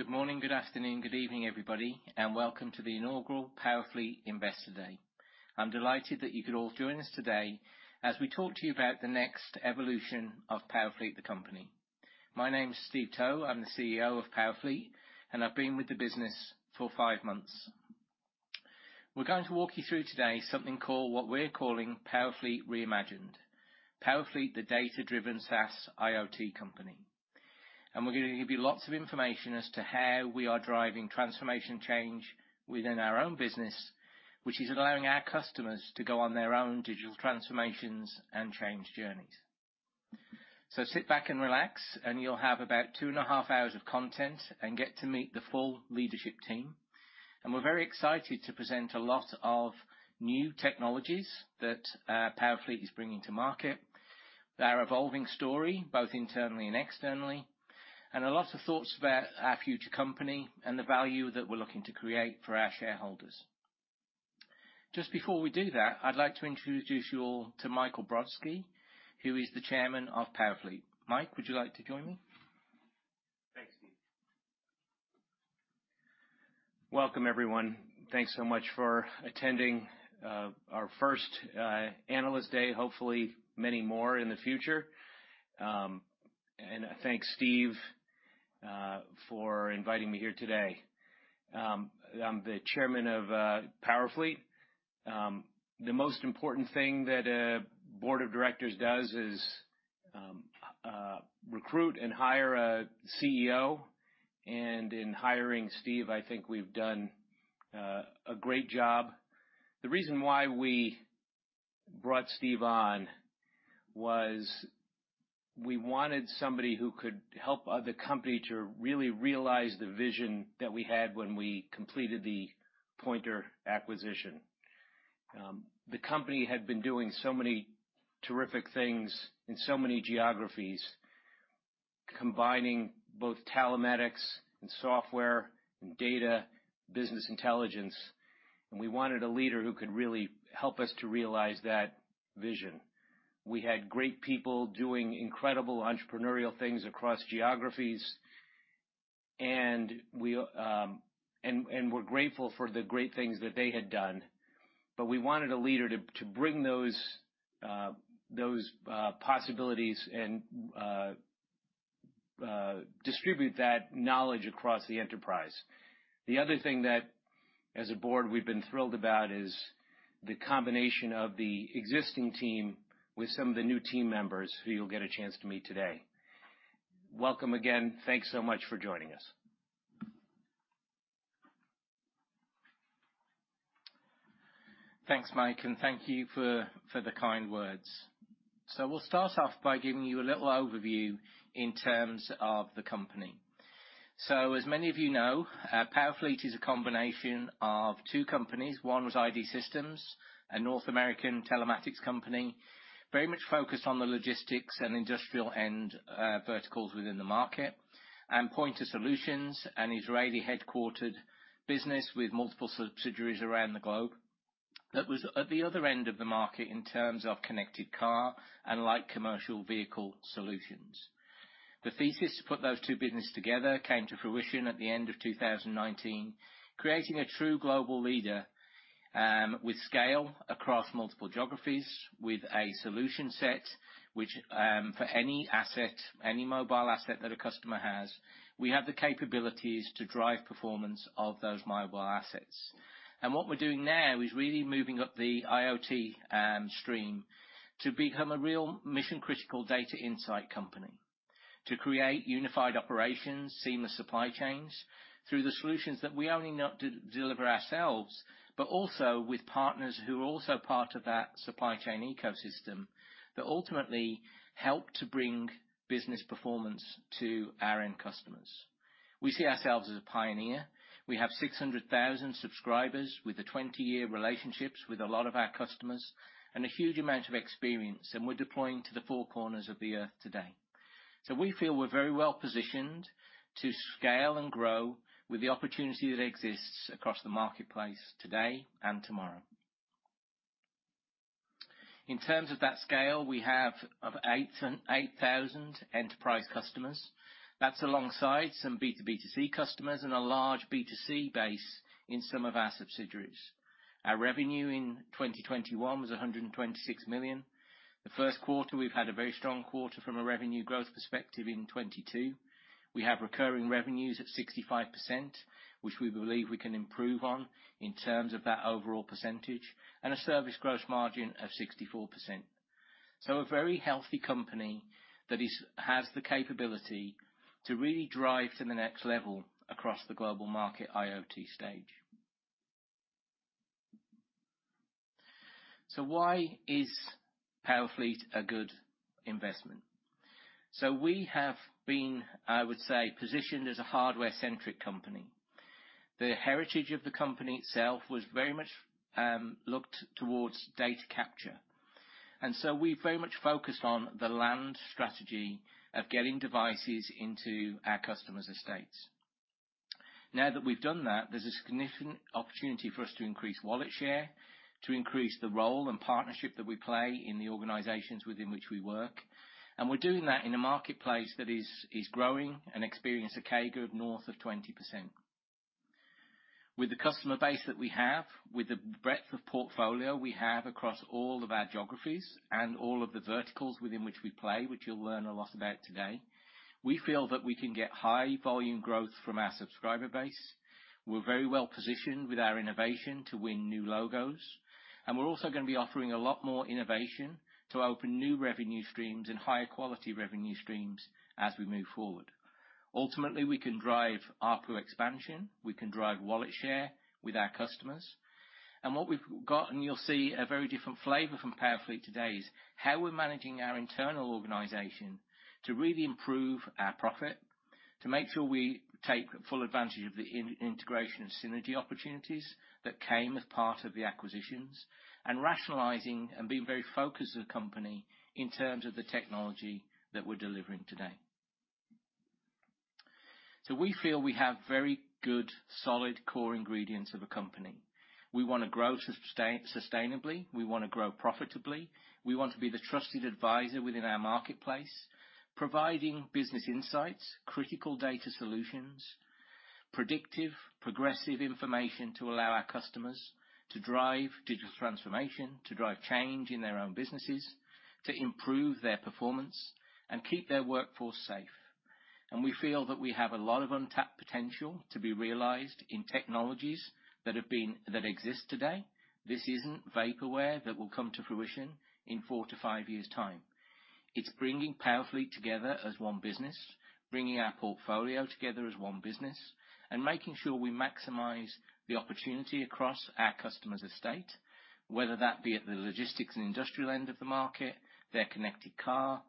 Good morning, good afternoon, good evening, everybody, and welcome to the inaugural PowerFleet Investor Day. I'm delighted that you could all join us today as we talk to you about the next evolution of PowerFleet, the company. My name is Steve Towe. I'm the CEO of PowerFleet, and I've been with the business for five months. We're going to walk you through today what we're calling PowerFleet Reimagined. PowerFleet, the data-driven SaaS IoT company. We're gonna give you lots of information as to how we are driving transformation change within our own business, which is allowing our customers to go on their own digital transformations and change journeys. Sit back and relax, and you'll have about 2.5 hours of content and get to meet the full leadership team. We're very excited to present a lot of new technologies that PowerFleet is bringing to market, their evolving story, both internally and externally, and a lot of thoughts about our future company and the value that we're looking to create for our shareholders. Just before we do that, I'd like to introduce you all to Michael Brodsky, who is the Chairman of PowerFleet. Mike, would you like to join me? Thanks, Steve. Welcome, everyone. Thanks so much for attending our first Analyst Day, hopefully many more in the future. Thanks, Steve, for inviting me here today. I'm the Chairman of PowerFleet. The most important thing that a Board of Directors does is recruit and hire a CEO, and in hiring Steve, I think we've done a great job. The reason why we brought Steve on was we wanted somebody who could help the company to really realize the vision that we had when we completed the Pointer acquisition. The company had been doing so many terrific things in so many geographies, combining both telematics and software and data business intelligence, and we wanted a leader who could really help us to realize that vision. We had great people doing incredible entrepreneurial things across geographies, and we're grateful for the great things that they had done. We wanted a leader to bring those possibilities and distribute that knowledge across the enterprise. The other thing that, as a board, we've been thrilled about is the combination of the existing team with some of the new team members who you'll get a chance to meet today. Welcome again. Thanks so much for joining us. Thanks, Mike, and thank you for the kind words. We'll start off by giving you a little overview in terms of the company. As many of you know, PowerFleet is a combination of two companies. One was I.D. Systems, a North American telematics company, very much focused on the logistics and industrial end, verticals within the market. Pointer Solutions, an Israeli-headquartered business with multiple subsidiaries around the globe, that was at the other end of the market in terms of connected car and light commercial vehicle solutions. The thesis to put those two businesses together came to fruition at the end of 2019, creating a true global leader with scale across multiple geographies, with a solution set, which, for any asset, any mobile asset that a customer has, we have the capabilities to drive performance of those mobile assets. What we're doing now is really moving up the IoT stream to become a real mission-critical data insight company to create unified operations, seamless supply chains through the solutions that we not only deliver ourselves, but also with partners who are also part of that supply chain ecosystem, that ultimately help to bring business performance to our end customers. We see ourselves as a pioneer. We have 600,000 subscribers with the 20-year relationships with a lot of our customers and a huge amount of experience, and we're deploying to the four corners of the earth today. We feel we're very well positioned to scale and grow with the opportunity that exists across the marketplace today and tomorrow. In terms of that scale, we have 8,000 enterprise customers. That's alongside some B2B2C customers and a large B2C base in some of our subsidiaries. Our revenue in 2021 was $126 million. The first quarter, we've had a very strong quarter from a revenue growth perspective in 2022. We have recurring revenues at 65%, which we believe we can improve on in terms of that overall percentage, and a service gross margin of 64%. A very healthy company that has the capability to really drive to the next level across the global market IoT stage. Why is PowerFleet a good investment? We have been, I would say, positioned as a hardware-centric company. The heritage of the company itself was very much looked towards data capture. We very much focused on the land strategy of getting devices into our customers' estate. Now that we've done that, there's a significant opportunity for us to increase wallet share, to increase the role and partnership that we play in the organizations within which we work, and we're doing that in a marketplace that is growing and experience a CAGR of north of 20%. With the customer base that we have, with the breadth of portfolio we have across all of our geographies and all of the verticals within which we play, which you'll learn a lot about today, we feel that we can get high volume growth from our subscriber base. We're very well-positioned with our innovation to win new logos, and we're also gonna be offering a lot more innovation to open new revenue streams and higher quality revenue streams as we move forward. Ultimately, we can drive ARPU expansion, we can drive wallet share with our customers. What we've got, and you'll see a very different flavor from PowerFleet today, is how we're managing our internal organization to really improve our profit, to make sure we take full advantage of the integration synergy opportunities that came as part of the acquisitions, and rationalizing and being very focused as a company in terms of the technology that we're delivering today. We feel we have very good, solid, core ingredients of a company. We wanna grow sustainably, we wanna grow profitably, we want to be the trusted advisor within our marketplace, providing business insights, critical data solutions, predictive, progressive information to allow our customers to drive digital transformation, to drive change in their own businesses, to improve their performance, and keep their workforce safe. We feel that we have a lot of untapped potential to be realized in technologies that exist today. This isn't vaporware that will come to fruition in four to five years' time. It's bringing PowerFleet together as one business, bringing our portfolio together as one business, and making sure we maximize the opportunity across our customers' estate, whether that be at the logistics and industrial end of the market, their connected car,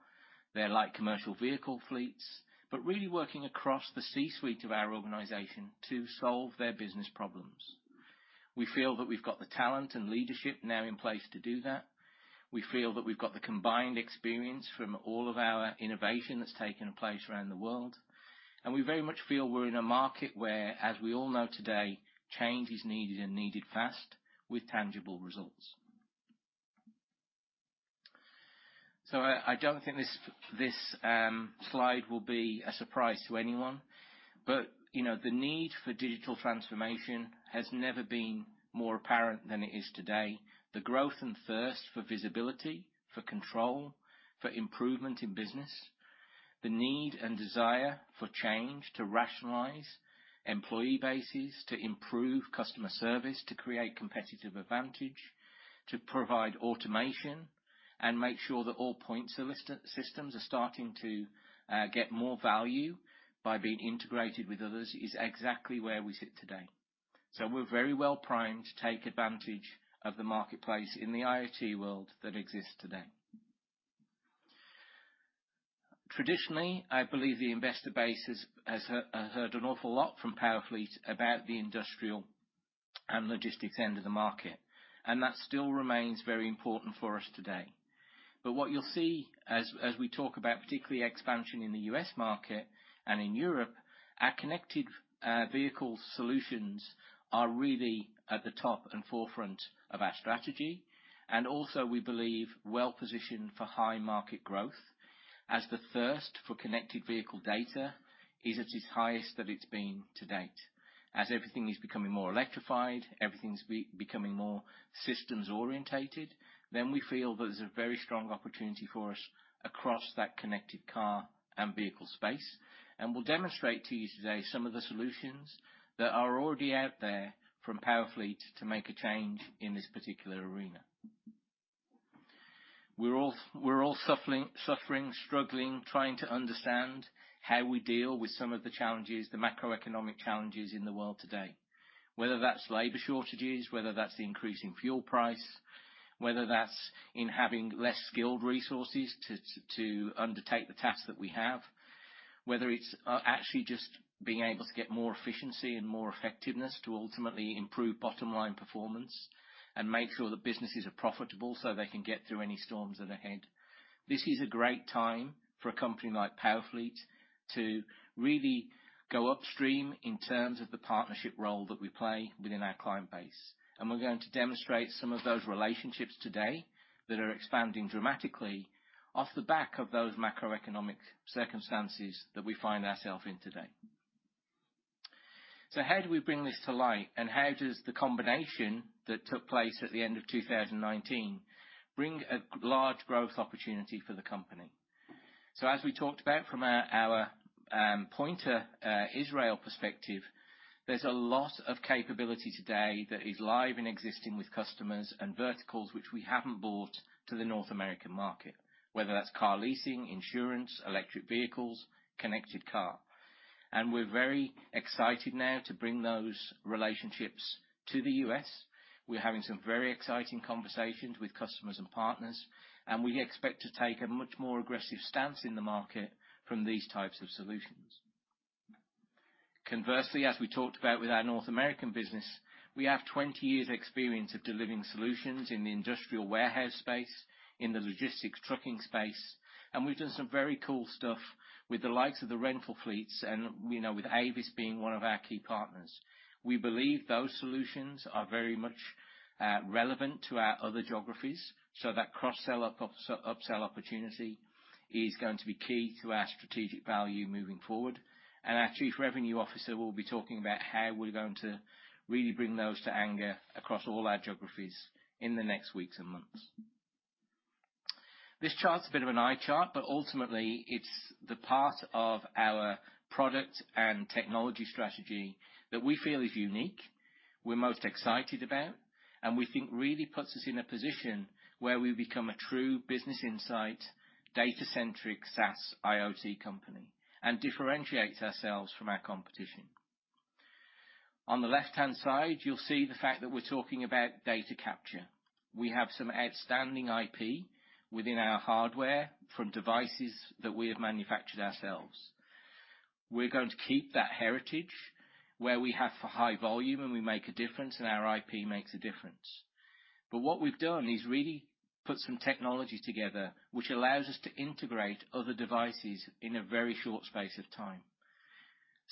their light commercial vehicle fleets, but really working across the C-suite of our organization to solve their business problems. We feel that we've got the talent and leadership now in place to do that. We feel that we've got the combined experience from all of our innovation that's taken place around the world. We very much feel we're in a market where, as we all know today, change is needed and needed fast, with tangible results. I don't think this slide will be a surprise to anyone, but you know, the need for digital transformation has never been more apparent than it is today. The growth and thirst for visibility, for control, for improvement in business, the need and desire for change to rationalize employee bases, to improve customer service, to create competitive advantage, to provide automation and make sure that all point solution systems are starting to get more value by being integrated with others, is exactly where we sit today. We're very well primed to take advantage of the marketplace in the IoT world that exists today. Traditionally, I believe the investor base has heard an awful lot from PowerFleet about the industrial and logistics end of the market, and that still remains very important for us today. What you'll see as we talk about particularly expansion in the U.S. Market and in Europe, our connected vehicle solutions are really at the top and forefront of our strategy, and also we believe well-positioned for high market growth, as the thirst for connected vehicle data is at its highest that it's been to date. As everything is becoming more electrified, everything's becoming more systems-orientated, then we feel there's a very strong opportunity for us across that connected car and vehicle space. We'll demonstrate to you today some of the solutions that are already out there from PowerFleet to make a change in this particular arena. We're all suffering, struggling, trying to understand how we deal with some of the challenges, the macroeconomic challenges in the world today. Whether that's labor shortages, whether that's the increase in fuel price, whether that's in having less skilled resources to undertake the tasks that we have, whether it's actually just being able to get more efficiency and more effectiveness to ultimately improve bottom line performance and make sure that businesses are profitable so they can get through any storms that are ahead. This is a great time for a company like PowerFleet to really go upstream in terms of the partnership role that we play within our client base. We're going to demonstrate some of those relationships today that are expanding dramatically off the back of those macroeconomic circumstances that we find ourselves in today. How do we bring this to light, and how does the combination that took place at the end of 2019 bring a large growth opportunity for the company? As we talked about from our Pointer Israel perspective, there's a lot of capability today that is live and existing with customers and verticals which we haven't brought to the North American market, whether that's car leasing, insurance, electric vehicles, connected car. We're very excited now to bring those relationships to the U.S. We're having some very exciting conversations with customers and partners, and we expect to take a much more aggressive stance in the market from these types of solutions. Conversely, as we talked about with our North American business, we have 20 years experience of delivering solutions in the industrial warehouse space, in the logistics trucking space, and we've done some very cool stuff with the likes of the rental fleets, and we know with Avis being one of our key partners, we believe those solutions are very much relevant to our other geographies, so that cross-sell or upsell opportunity is going to be key to our strategic value moving forward. Our Chief Revenue Officer will be talking about how we're going to really bring those together across all our geographies in the next weeks and months. This chart's a bit of an eye chart, but ultimately, it's the part of our product and technology strategy that we feel is unique, we're most excited about, and we think really puts us in a position where we become a true business insight, data-centric SaaS IoT company, and differentiates ourselves from our competition. On the left-hand side, you'll see the fact that we're talking about data capture. We have some outstanding IP within our hardware from devices that we have manufactured ourselves. We're going to keep that heritage where we have for high volume, and we make a difference, and our IP makes a difference. But what we've done is really put some technology together, which allows us to integrate other devices in a very short space of time.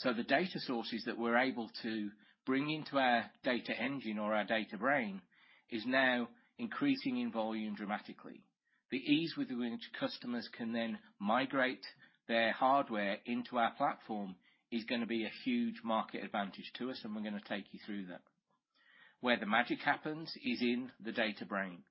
The data sources that we're able to bring into our data engine or our data brain is now increasing in volume dramatically. The ease with which customers can then migrate their hardware into our platform is gonna be a huge market advantage to us, and we're gonna take you through that. Where the magic happens is in the data brain,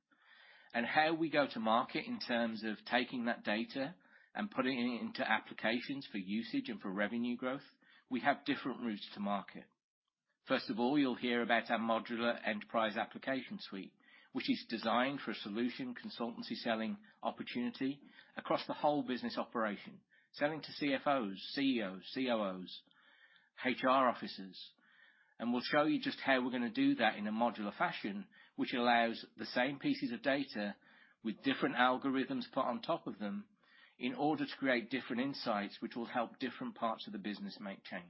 and how we go to market in terms of taking that data and putting it into applications for usage and for revenue growth, we have different routes to market. First of all, you'll hear about our modular enterprise application suite, which is designed for a solution consultancy selling opportunity across the whole business operation, selling to CFOs, CEOs, COOs, HR officers. We'll show you just how we're gonna do that in a modular fashion which allows the same pieces of data with different algorithms put on top of them in order to create different insights, which will help different parts of the business make change.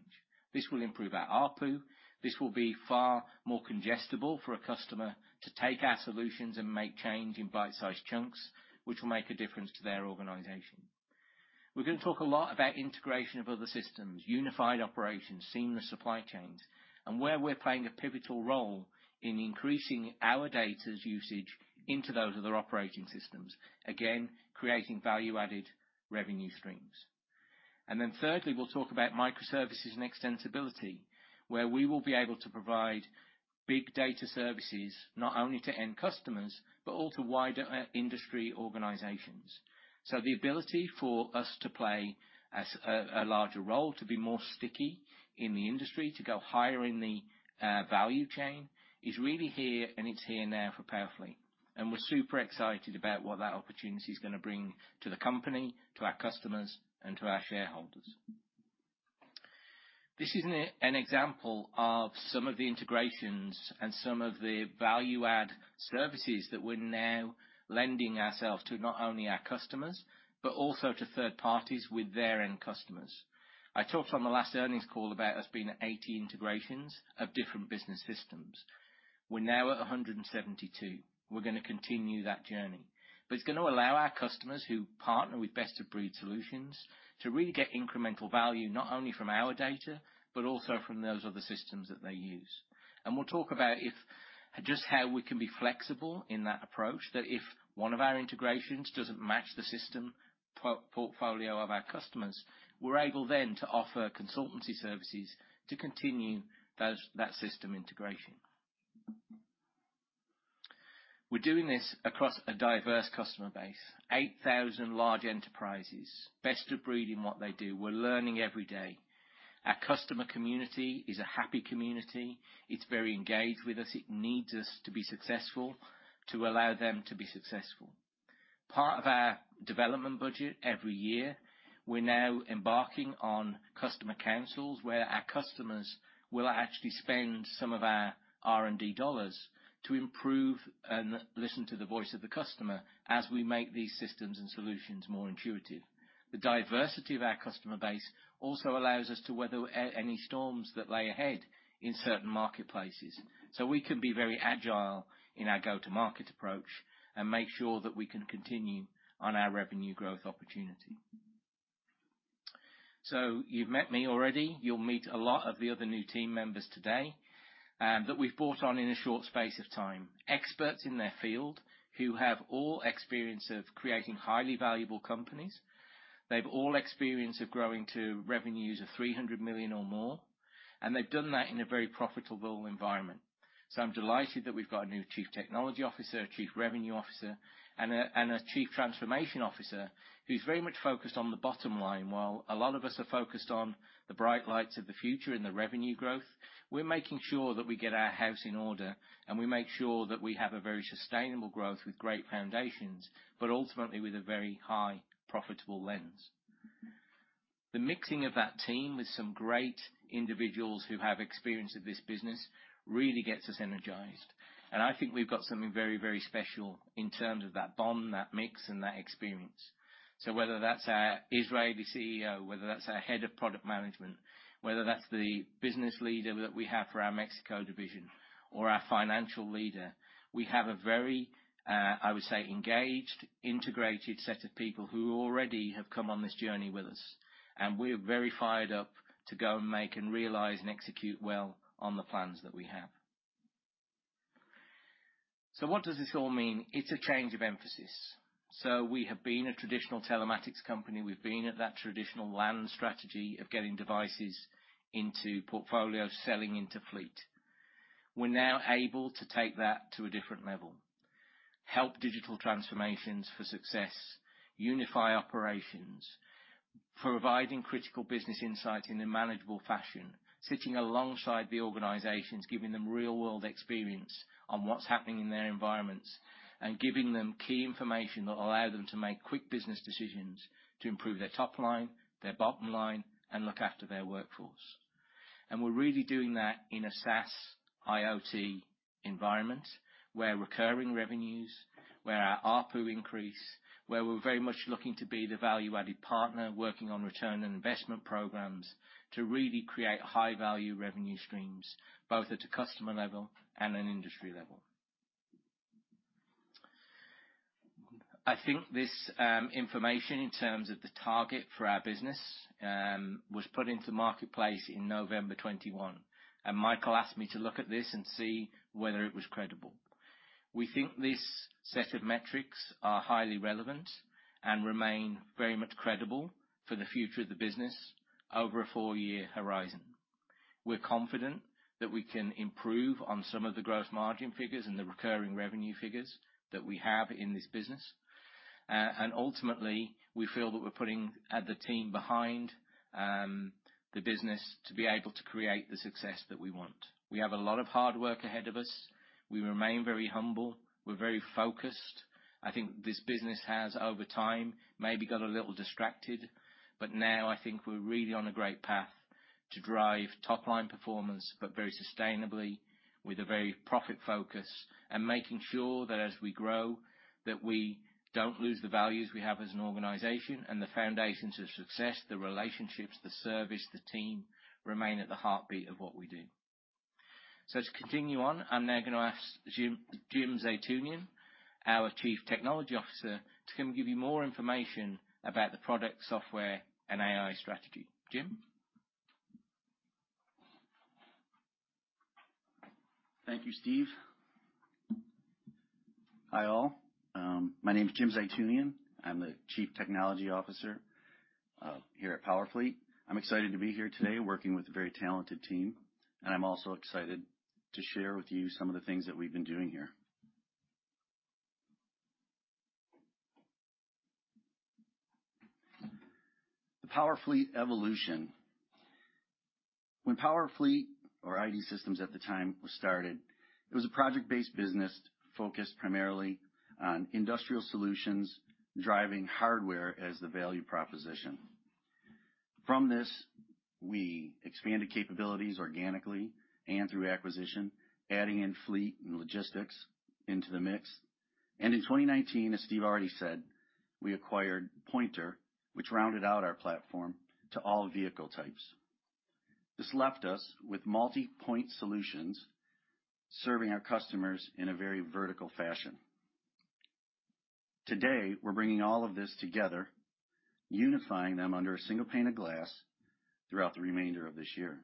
This will improve our ARPU. This will be far more digestible for a customer to take our solutions and make change in bite-sized chunks, which will make a difference to their organization. We're gonna talk a lot about integration of other systems, unified operations, seamless supply chains, and where we're playing a pivotal role in increasing our data's usage into those other operating systems, again, creating value-added revenue streams. Thirdly, we'll talk about microservices and extensibility, where we will be able to provide big data services not only to end customers, but also wider industry organizations. The ability for us to play as a larger role, to be more sticky in the industry, to go higher in the value chain is really here, and it's here now for PowerFleet. We're super excited about what that opportunity is gonna bring to the company, to our customers, and to our shareholders. This is an example of some of the integrations and some of the value-add services that we're now lending ourselves to not only our customers, but also to third parties with their end customers. I talked on the last earnings call about us being at 80 integrations of different business systems. We're now at 172. We're gonna continue that journey. It's gonna allow our customers who partner with best-of-breed solutions to really get incremental value, not only from our data, but also from those other systems that they use. We'll talk about just how we can be flexible in that approach. That if one of our integrations doesn't match the system portfolio of our customers, we're able then to offer consultancy services to continue those, that system integration. We're doing this across a diverse customer base. 8,000 large enterprises, best of breed in what they do. We're learning every day. Our customer community is a happy community. It's very engaged with us. It needs us to be successful to allow them to be successful. Part of our development budget every year, we're now embarking on customer councils where our customers will actually spend some of our R&D dollars to improve and listen to the voice of the customer as we make these systems and solutions more intuitive. The diversity of our customer base also allows us to weather any storms that lie ahead in certain marketplaces. We can be very agile in our go-to-market approach and make sure that we can continue on our revenue growth opportunity. You've met me already. You'll meet a lot of the other new team members today, that we've brought on in a short space of time. Experts in their field who have all experience of creating highly valuable companies. They've all experience of growing to revenues of $300 million or more, and they've done that in a very profitable environment. I'm delighted that we've got a new chief technology officer, chief revenue officer, and a chief transformation officer who's very much focused on the bottom line. While a lot of us are focused on the bright lights of the future and the revenue growth, we're making sure that we get our house in order, and we make sure that we have a very sustainable growth with great foundations, but ultimately with a very high profitable lens. The mixing of that team with some great individuals who have experience of this business. Really gets us energized. I think we've got something very, very special in terms of that bond, that mix, and that experience. Whether that's our Israeli CEO, whether that's our head of product management, whether that's the business leader that we have for our Mexico division or our financial leader, we have a very, I would say, engaged, integrated set of people who already have come on this journey with us. We're very fired up to go and make and realize and execute well on the plans that we have. What does this all mean? It's a change of emphasis. We have been a traditional telematics company. We've been at that traditional land strategy of getting devices into portfolios, selling into fleet. We're now able to take that to a different level, help digital transformations for success, unify operations, providing critical business insight in a manageable fashion, sitting alongside the organizations, giving them real-world experience on what's happening in their environments, and giving them key information that allow them to make quick business decisions to improve their top line, their bottom line, and look after their workforce. We're really doing that in a SaaS IoT environment, where recurring revenues, where our ARPU increase, where we're very much looking to be the value-added partner working on return on investment programs to really create high-value revenue streams, both at a customer level and an industry level. I think this, information in terms of the target for our business, was put into marketplace in November 2021, and Michael asked me to look at this and see whether it was credible. We think this set of metrics are highly relevant and remain very much credible for the future of the business over a four-year horizon. We're confident that we can improve on some of the growth margin figures and the recurring revenue figures that we have in this business. Ultimately, we feel that we're putting the team behind the business to be able to create the success that we want. We have a lot of hard work ahead of us. We remain very humble. We're very focused. I think this business has, over time, maybe got a little distracted, but now I think we're really on a great path to drive top-line performance, but very sustainably with a very profit focus and making sure that as we grow, that we don't lose the values we have as an organization and the foundations of success, the relationships, the service, the team remain at the heartbeat of what we do. To continue on, I'm now gonna ask Jim Zeitunian, our Chief Technology Officer, to come give you more information about the product software and AI strategy. Jim. Thank you, Steve. Hi, all. My name is Jim Zeitunian. I'm the Chief Technology Officer here at PowerFleet. I'm excited to be here today working with a very talented team, and I'm also excited to share with you some of the things that we've been doing here. The PowerFleet evolution. When PowerFleet or I.D. Systems at the time was started, it was a project-based business focused primarily on industrial solutions, driving hardware as the value proposition. From this, we expanded capabilities organically and through acquisition, adding in fleet and logistics into the mix. In 2019, as Steve already said, we acquired Pointer, which rounded out our platform to all vehicle types. This left us with multi-point solutions, serving our customers in a very vertical fashion. Today, we're bringing all of this together, unifying them under a single pane of glass throughout the remainder of this year.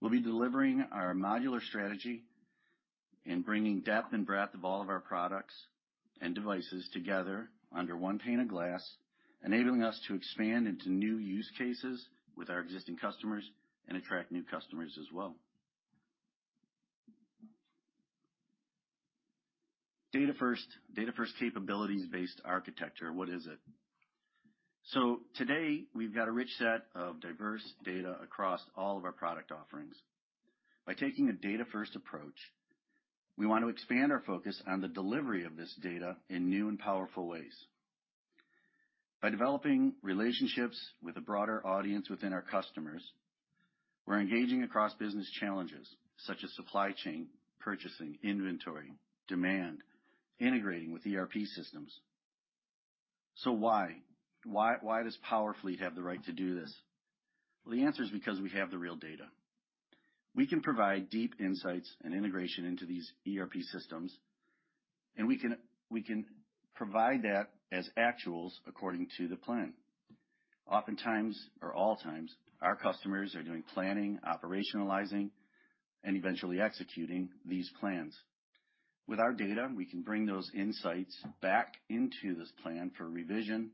We'll be delivering our modular strategy and bringing depth and breadth of all of our products and devices together under one pane of glass, enabling us to expand into new use cases with our existing customers and attract new customers as well. Data first. Data first capabilities-based architecture. What is it? Today, we've got a rich set of diverse data across all of our product offerings. By taking a data first approach, we want to expand our focus on the delivery of this data in new and powerful ways. By developing relationships with a broader audience within our customers, we're engaging across business challenges such as supply chain, purchasing, inventory, demand, integrating with ERP systems. Why? Why, why does PowerFleet have the right to do this? Well, the answer is because we have the real data. We can provide deep insights and integration into these ERP systems, and we can provide that as actuals according to the plan. Oftentimes, or all times, our customers are doing planning, operationalizing, and eventually executing these plans. With our data, we can bring those insights back into this plan for revision,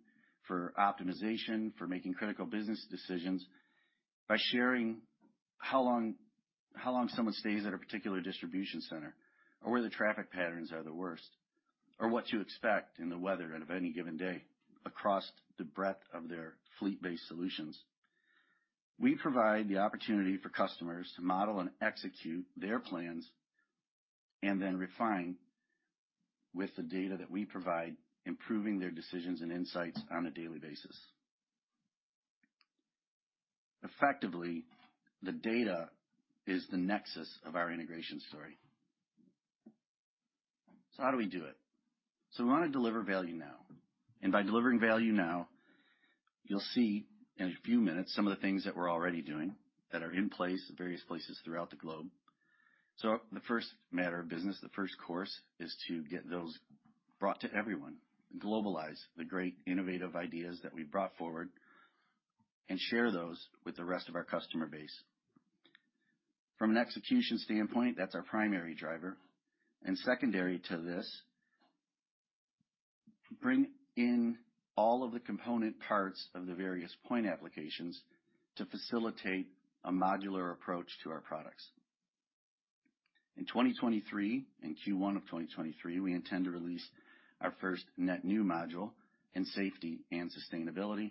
for optimization, for making critical business decisions by sharing how long someone stays at a particular distribution center, or where the traffic patterns are the worst, or what to expect in the weather out of any given day across the breadth of their fleet-based solutions. We provide the opportunity for customers to model and execute their plans, and then refine with the data that we provide, improving their decisions and insights on a daily basis. Effectively, the data is the nexus of our integration story. How do we do it? We wanna deliver value now, and by delivering value now, you'll see in a few minutes some of the things that we're already doing that are in place at various places throughout the globe. The first matter of business, the first course, is to get those brought to everyone, globalize the great innovative ideas that we brought forward, and share those with the rest of our customer base. From an execution standpoint, that's our primary driver, and secondary to this, bring in all of the component parts of the various point applications to facilitate a modular approach to our products. In 2023, in Q1 of 2023, we intend to release our first net new module in safety and sustainability.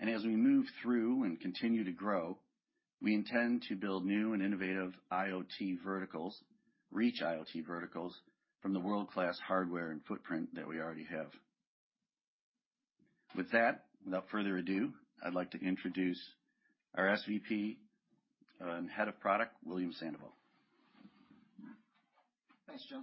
As we move through and continue to grow, we intend to build new and innovative IoT verticals, reach IoT verticals, from the world-class hardware and footprint that we already have. With that, without further ado, I'd like to introduce our SVP and Head of Product, William Sandoval. Thanks, Jim.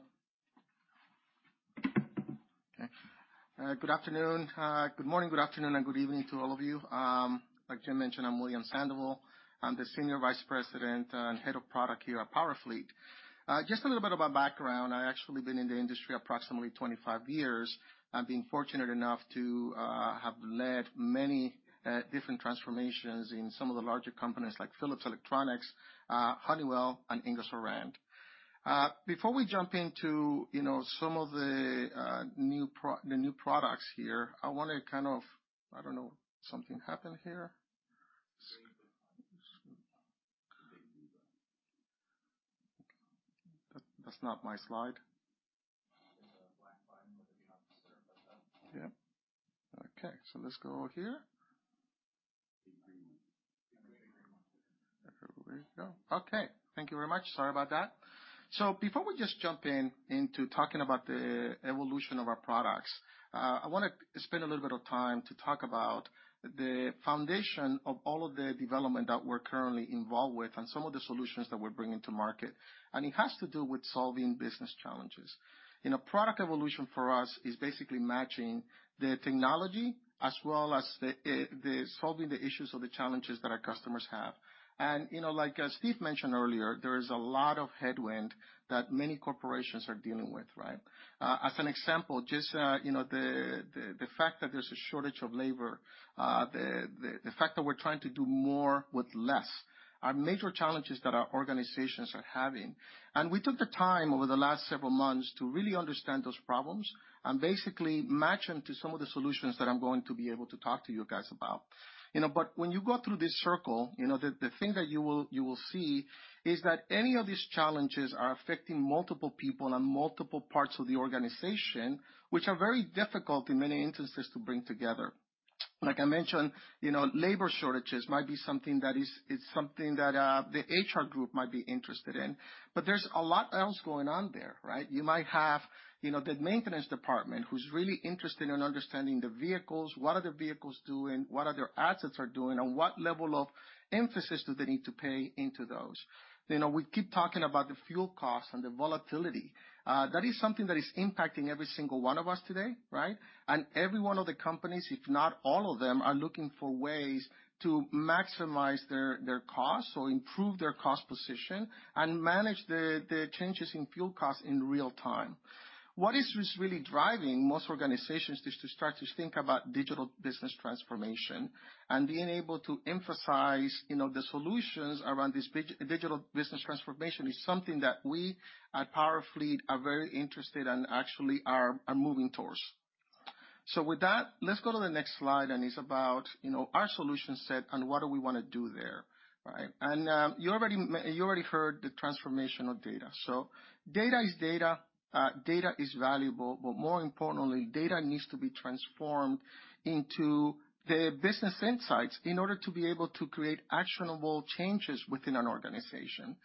Okay. Good afternoon. Good morning, good afternoon, and good evening to all of you. Like Jim mentioned, I'm William Sandoval. I'm the Senior Vice President and Head of Product here at PowerFleet. Just a little bit about background. I actually been in the industry approximately 25 years. I've been fortunate enough to have led many different transformations in some of the larger companies like Philips Electronics, Honeywell, and Ingersoll Rand. Before we jump into, you know, some of the new products here, I wanna kind of. I don't know. Something happened here. That's not my slide. Yeah. Okay. Let's go here. There we go. Okay. Thank you very much. Sorry about that. Before we just jump into talking about the evolution of our products, I wanna spend a little bit of time to talk about the foundation of all of the development that we're currently involved with and some of the solutions that we're bringing to market, and it has to do with solving business challenges. You know, product evolution for us is basically matching the technology as well as the solving the issues or the challenges that our customers have. You know, like, as Steve mentioned earlier, there is a lot of headwind that many corporations are dealing with, right? As an example, just, you know, the fact that there's a shortage of labor, the fact that we're trying to do more with less are major challenges that our organizations are having. We took the time over the last several months to really understand those problems and basically match them to some of the solutions that I'm going to be able to talk to you guys about. You know, when you go through this circle, you know, the thing that you will see is that any of these challenges are affecting multiple people and multiple parts of the organization, which are very difficult in many instances to bring together. Like I mentioned, you know, labor shortages might be something it's something that the HR group might be interested in, but there's a lot else going on there, right? You might have, you know, the maintenance department who's really interested in understanding the vehicles, what are their vehicles doing, what are their assets are doing, and what level of emphasis do they need to pay into those. You know, we keep talking about the fuel costs and the volatility. That is something that is impacting every single one of us today, right? Every one of the companies, if not all of them, are looking for ways to maximize their costs or improve their cost position and manage the changes in fuel costs in real time. What is just really driving most organizations is to start to think about digital business transformation and being able to emphasize, you know, the solutions around this digital business transformation is something that we at PowerFleet are very interested and actually are moving towards. With that, let's go to the next slide, and it's about, you know, our solution set and what do we wanna do there, right? You already heard the transformation of data. Data is data. Data is valuable. But more importantly, data needs to be transformed into the business insights in order to be able to create actionable changes within an organization.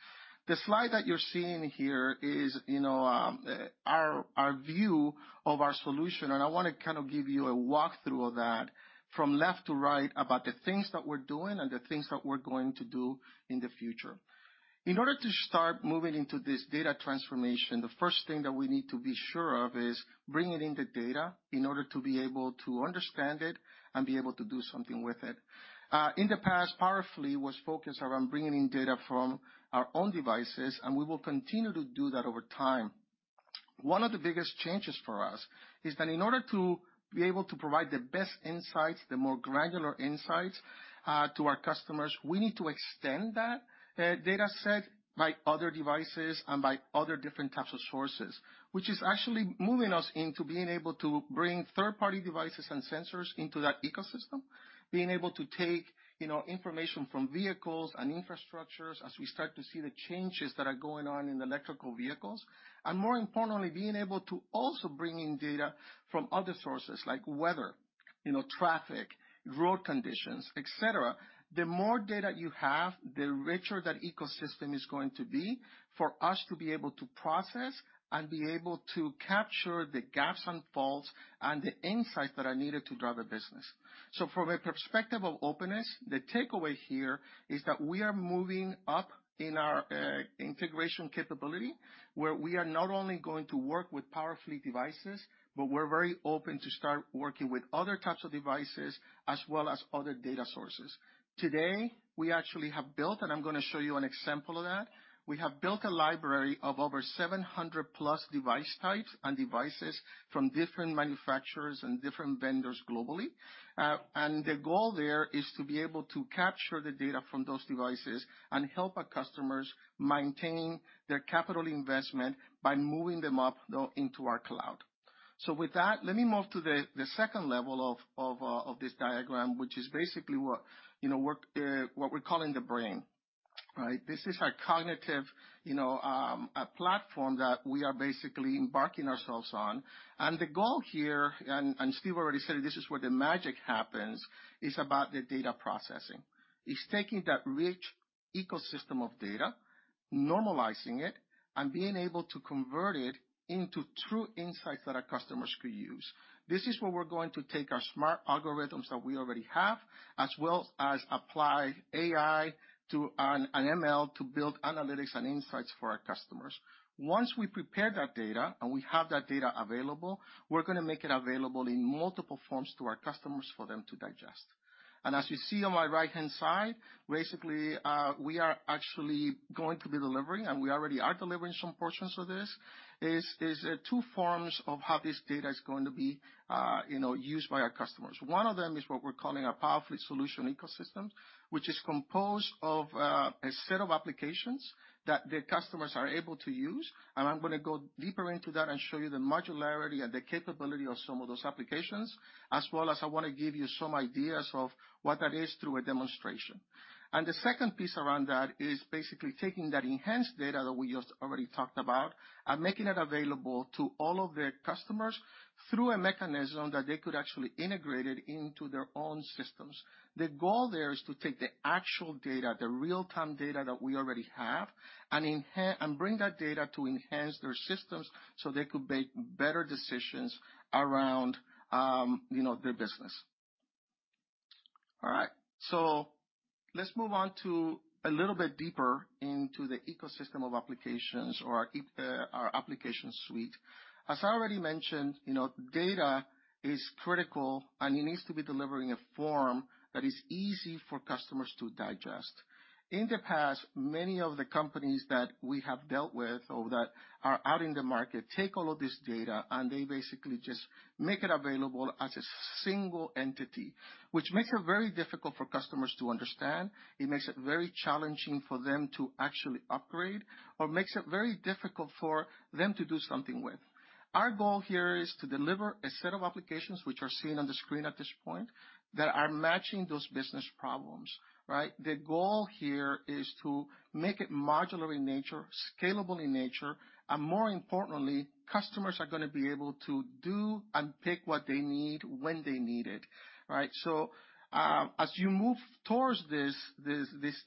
The slide that you're seeing here is, you know, our view of our solution, and I wanna kind of give you a walk-through of that from left to right about the things that we're doing and the things that we're going to do in the future. In order to start moving into this data transformation, the first thing that we need to be sure of is bringing in the data in order to be able to understand it and be able to do something with it. In the past, PowerFleet was focused around bringing in data from our own devices, and we will continue to do that over time. One of the biggest changes for us is that in order to be able to provide the best insights, the more granular insights, to our customers, we need to extend that dataset by other devices and by other different types of sources, which is actually moving us into being able to bring third-party devices and sensors into that ecosystem. Being able to take, you know, information from vehicles and infrastructures as we start to see the changes that are going on in electric vehicles, and more importantly, being able to also bring in data from other sources like weather, you know, traffic, road conditions, et cetera. The more data you have, the richer that ecosystem is going to be for us to be able to process and be able to capture the gaps and faults and the insights that are needed to drive a business. From a perspective of openness, the takeaway here is that we are moving up in our integration capability, where we are not only going to work with PowerFleet devices, but we're very open to start working with other types of devices as well as other data sources. Today, we actually have built, and I'm gonna show you an example of that. We have built a library of over 700+ device types and devices from different manufacturers and different vendors globally. The goal there is to be able to capture the data from those devices and help our customers maintain their capital investment by moving them up through into our cloud. With that, let me move to the second level of this diagram, which is basically what, you know, we're calling the brain, right? This is a cognitive, you know, a platform that we are basically embarking ourselves on. The goal here, Steve already said this is where the magic happens, is about the data processing. It's taking that rich ecosystem of data, normalizing it, and being able to convert it into true insights that our customers could use. This is where we're going to take our smart algorithms that we already have, as well as apply AI and ML to build analytics and insights for our customers. Once we prepare that data, and we have that data available, we're gonna make it available in multiple forms to our customers for them to digest. As you see on my right-hand side, basically, we are actually going to be delivering, and we already are delivering some portions of this, is two forms of how this data is going to be, you know, used by our customers. One of them is what we're calling our PowerFleet solution ecosystem, which is composed of a set of applications that the customers are able to use. I'm gonna go deeper into that and show you the modularity and the capability of some of those applications, as well as I wanna give you some ideas of what that is through a demonstration. The second piece around that is basically taking that enhanced data that we just already talked about and making it available to all of their customers through a mechanism that they could actually integrate it into their own systems. The goal there is to take the actual data, the real-time data that we already have, and bring that data to enhance their systems so they could make better decisions around, you know, their business. All right. Let's move on to a little bit deeper into the ecosystem of applications or our application suite. As I already mentioned, you know, data is critical, and it needs to be delivered in a form that is easy for customers to digest. In the past, many of the companies that we have dealt with or that are out in the market take all of this data, and they basically just make it available as a single entity, which makes it very difficult for customers to understand. It makes it very challenging for them to actually upgrade, or makes it very difficult for them to do something with. Our goal here is to deliver a set of applications, which are seen on the screen at this point, that are matching those business problems, right? The goal here is to make it modular in nature, scalable in nature, and more importantly, customers are gonna be able to do and pick what they need when they need it, right? As you move towards this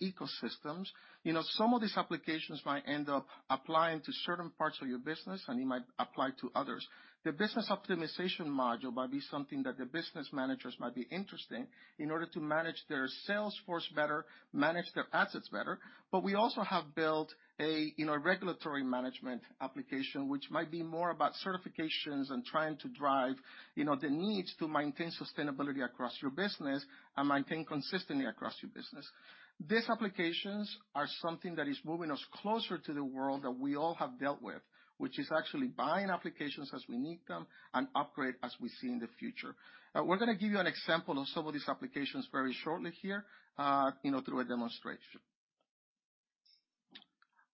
ecosystems, you know, some of these applications might end up applying to certain parts of your business, and it might apply to others. The business optimization module might be something that the business managers might be interested in order to manage their sales force better, manage their assets better. We also have built a, you know, regulatory management application, which might be more about certifications and trying to drive, you know, the needs to maintain sustainability across your business and maintain consistency across your business. These applications are something that is moving us closer to the world that we all have dealt with, which is actually buying applications as we need them and upgrade as we see in the future. We're gonna give you an example of some of these applications very shortly here, you know, through a demonstration.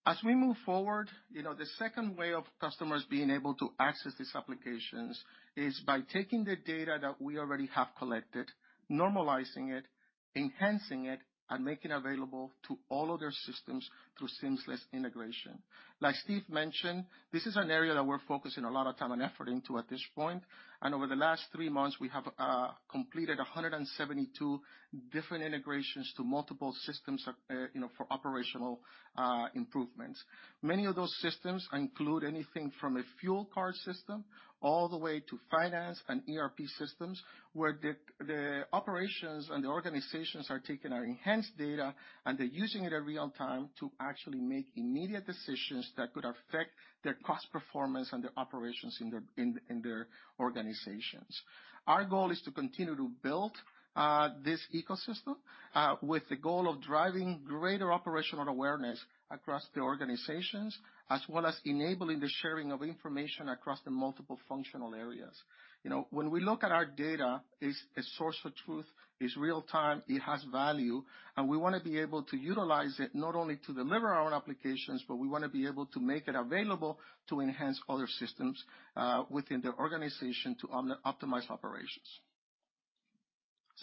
As we move forward, you know, the second way of customers being able to access these applications is by taking the data that we already have collected, normalizing it, enhancing it, and make it available to all other systems through seamless integration. Like Steve mentioned, this is an area that we're focusing a lot of time and effort into at this point. Over the last three months, we have completed 172 different integrations to multiple systems, you know, for operational improvements. Many of those systems include anything from a fuel card system all the way to finance and ERP systems, where the operations and the organizations are taking our enhanced data, and they're using it in real-time to actually make immediate decisions that could affect their cost performance and their operations in their organizations. Our goal is to continue to build this ecosystem with the goal of driving greater operational awareness across the organizations as well as enabling the sharing of information across the multiple functional areas. You know, when we look at our data, it's a source of truth, it's real-time, it has value, and we wanna be able to utilize it, not only to deliver our own applications, but we wanna be able to make it available to enhance other systems within the organization to optimize operations.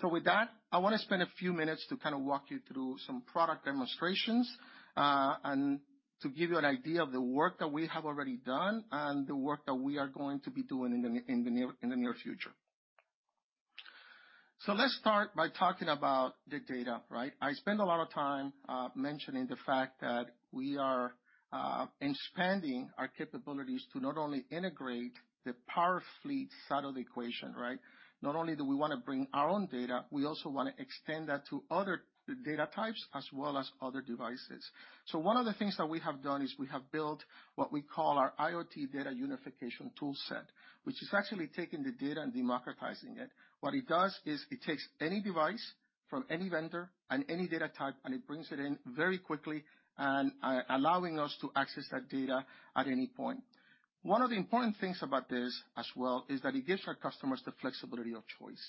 With that, I wanna spend a few minutes to kind of walk you through some product demonstrations, and to give you an idea of the work that we have already done and the work that we are going to be doing in the near future. Let's start by talking about the data, right? I spend a lot of time mentioning the fact that we are expanding our capabilities to not only integrate the PowerFleet side of the equation, right? Not only do we wanna bring our own data, we also wanna extend that to other data types as well as other devices. One of the things that we have done is we have built what we call our IoT Data Unification tool set, which is actually taking the data and democratizing it. What it does is it takes any device from any vendor and any data type, and it brings it in very quickly and allowing us to access that data at any point. One of the important things about this as well is that it gives our customers the flexibility of choice.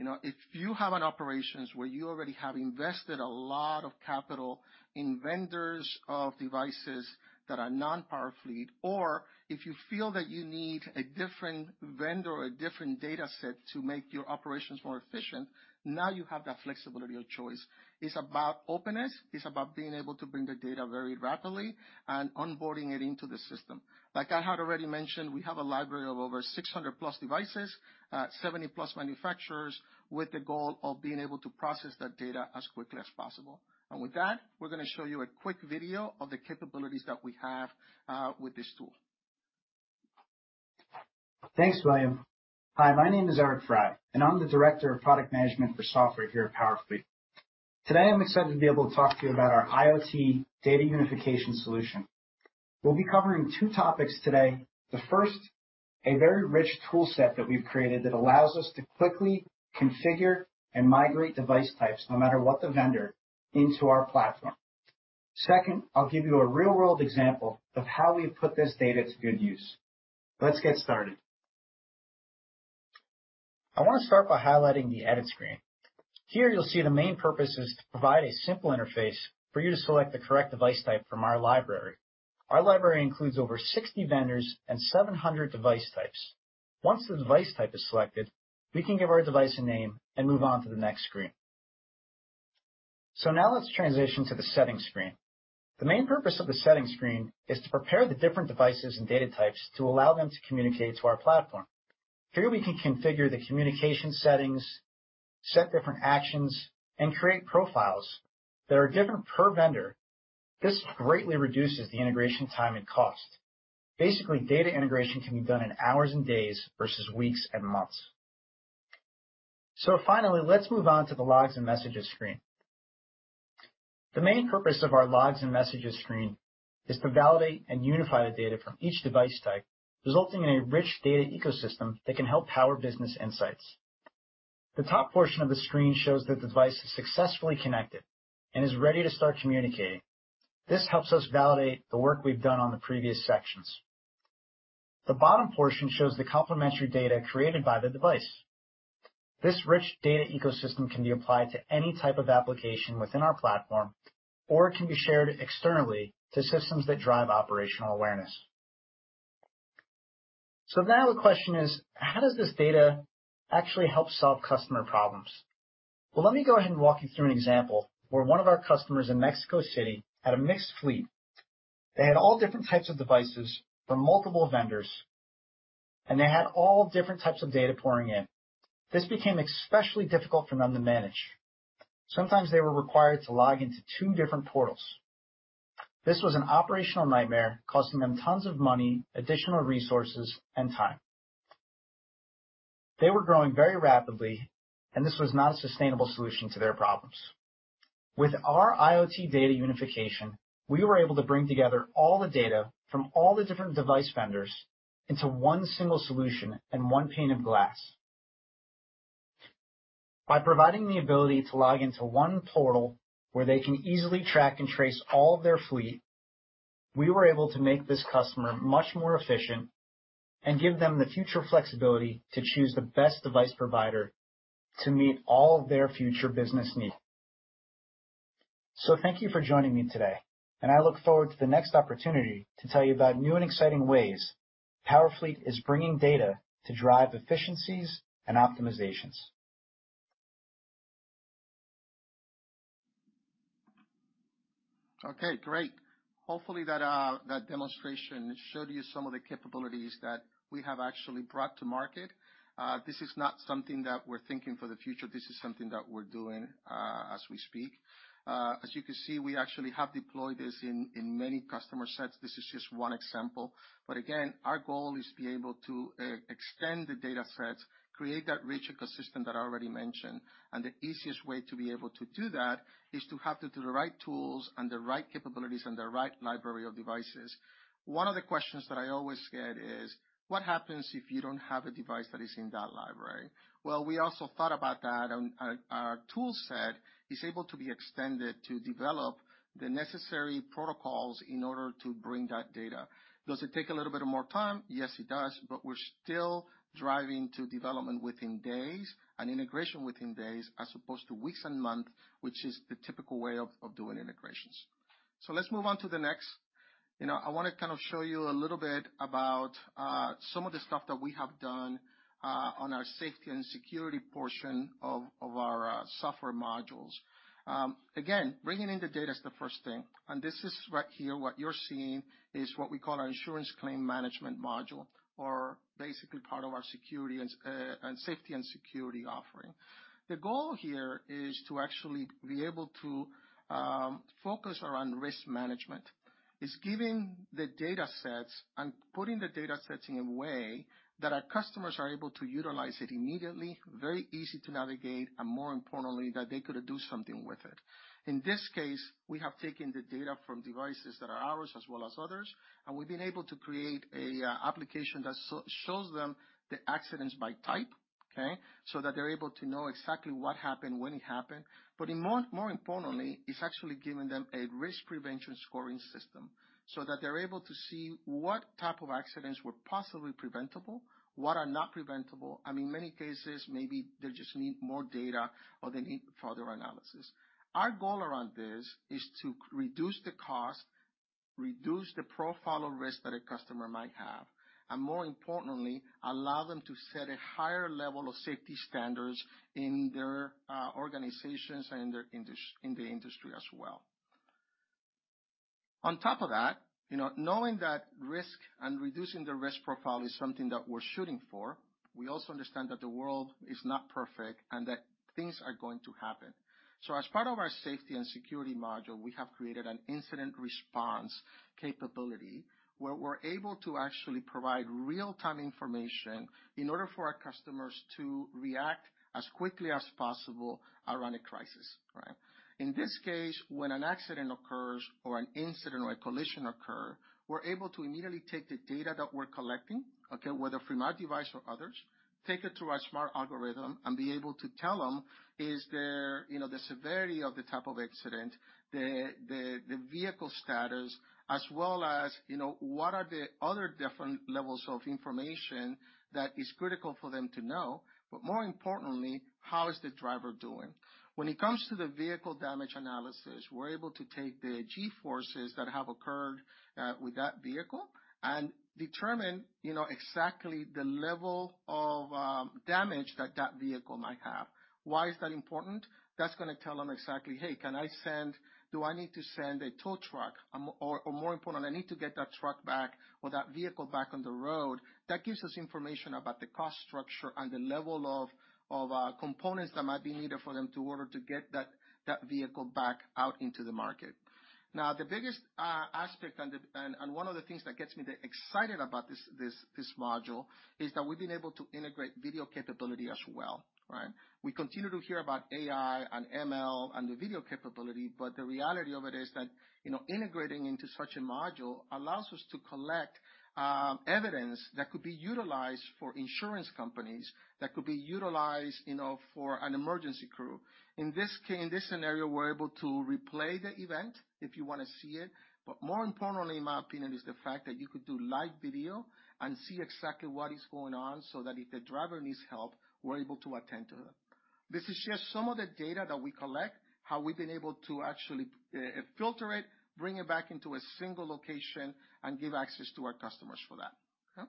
You know, if you have an operations where you already have invested a lot of capital in vendors of devices that are non-PowerFleet, or if you feel that you need a different vendor or a different data set to make your operations more efficient, now you have that flexibility of choice. It's about openness. It's about being able to bring the data very rapidly and onboarding it into the system. Like I had already mentioned, we have a library of over 600+ devices, 70+ manufacturers with the goal of being able to process that data as quickly as possible. With that, we're gonna show you a quick video of the capabilities that we have with this tool. Thanks, William. Hi, my name is Eric Frey, and I'm the Director of Product Management for software here at PowerFleet. Today, I'm excited to be able to talk to you about our IoT data unification solution. We'll be covering two topics today. The first, a very rich tool set that we've created that allows us to quickly configure and migrate device types, no matter what the vendor, into our platform. Second, I'll give you a real-world example of how we've put this data to good use. Let's get started. I wanna start by highlighting the Edit screen. Here, you'll see the main purpose is to provide a simple interface for you to select the correct device type from our library. Our library includes over 60 vendors and 700 device types. Once the device type is selected, we can give our device a name and move on to the next screen. Now let's transition to the Settings screen. The main purpose of the Settings screen is to prepare the different devices and data types to allow them to communicate to our platform. Here we can configure the communication settings, set different actions, and create profiles that are different per vendor. This greatly reduces the integration time and cost. Basically, data integration can be done in hours and days versus weeks and months. Finally, let's move on to the Logs and Messages screen. The main purpose of our Logs and Messages screen is to validate and unify the data from each device type, resulting in a rich data ecosystem that can help power business insights. The top portion of the screen shows the device is successfully connected and is ready to start communicating. This helps us validate the work we've done on the previous sections. The bottom portion shows the complementary data created by the device. This rich data ecosystem can be applied to any type of application within our platform, or it can be shared externally to systems that drive operational awareness. Now the question is: How does this data actually help solve customer problems? Well, let me go ahead and walk you through an example where one of our customers in Mexico City had a mixed fleet. They had all different types of devices from multiple vendors, and they had all different types of data pouring in. This became especially difficult for them to manage. Sometimes they were required to log into two different portals. This was an operational nightmare, costing them tons of money, additional resources, and time. They were growing very rapidly, and this was not a sustainable solution to their problems. With our IoT Data Unification, we were able to bring together all the data from all the different device vendors into one single solution and one pane of glass. By providing the ability to log into one portal where they can easily track and trace all of their fleet, we were able to make this customer much more efficient and give them the future flexibility to choose the best device provider to meet all of their future business needs. Thank you for joining me today, and I look forward to the next opportunity to tell you about new and exciting ways PowerFleet is bringing data to drive efficiencies and optimizations. Okay, great. Hopefully that demonstration showed you some of the capabilities that we have actually brought to market. This is not something that we're thinking for the future. This is something that we're doing as we speak. As you can see, we actually have deployed this in many customer sets. This is just one example. Again, our goal is to be able to extend the data sets, create that rich ecosystem that I already mentioned, and the easiest way to be able to do that is to have the right tools and the right capabilities and the right library of devices. One of the questions that I always get is: What happens if you don't have a device that is in that library? Well, we also thought about that, and our tool set is able to be extended to develop the necessary protocols in order to bring that data. Does it take a little bit more time? Yes, it does, but we're still driving to development within days and integration within days as opposed to weeks and months, which is the typical way of doing integrations. Let's move on to the next. You know, I wanna kind of show you a little bit about some of the stuff that we have done on our safety and security portion of our software modules. Again, bringing in the data is the first thing. This is right here, what you're seeing is what we call our insurance claim management module, or basically part of our security and safety and security offering. The goal here is to actually be able to focus around risk management. It's giving the datasets and putting the datasets in a way that our customers are able to utilize it immediately, very easy to navigate, and more importantly, that they could do something with it. In this case, we have taken the data from devices that are ours as well as others, and we've been able to create a application that shows them the accidents by type, okay? So that they're able to know exactly what happened, when it happened. But more importantly, it's actually giving them a risk prevention scoring system so that they're able to see what type of accidents were possibly preventable, what are not preventable. In many cases, maybe they just need more data or they need further analysis. Our goal around this is to reduce the cost, reduce the profile risk that a customer might have, and more importantly, allow them to set a higher level of safety standards in their organizations and in the industry as well. On top of that, you know, knowing that risk and reducing the risk profile is something that we're shooting for, we also understand that the world is not perfect and that things are going to happen. As part of our safety and security module, we have created an incident response capability where we're able to actually provide real-time information in order for our customers to react as quickly as possible around a crisis, right? In this case, when an accident occurs or an incident or a collision occur, we're able to immediately take the data that we're collecting, whether from our device or others, take it through our smart algorithm and be able to tell them, is there, you know, the severity of the type of accident, the vehicle status, as well as, you know, what are the other different levels of information that is critical for them to know. But more importantly, how is the driver doing? When it comes to the vehicle damage analysis, we're able to take the G-forces that have occurred with that vehicle and determine, you know, exactly the level of damage that that vehicle might have. Why is that important? That's gonna tell them exactly, hey, do I need to send a tow truck? More importantly, I need to get that truck back or that vehicle back on the road. That gives us information about the cost structure and the level of components that might be needed for them to order to get that vehicle back out into the market. Now, the biggest aspect and one of the things that gets me excited about this module is that we've been able to integrate video capability as well, right? We continue to hear about AI and ML and the video capability, but the reality of it is that, you know, integrating into such a module allows us to collect evidence that could be utilized for insurance companies, that could be utilized, you know, for an emergency crew. In this scenario, we're able to replay the event if you wanna see it. More importantly, in my opinion, is the fact that you could do live video and see exactly what is going on so that if the driver needs help, we're able to attend to them. This is just some of the data that we collect, how we've been able to actually filter it, bring it back into a single location and give access to our customers for that.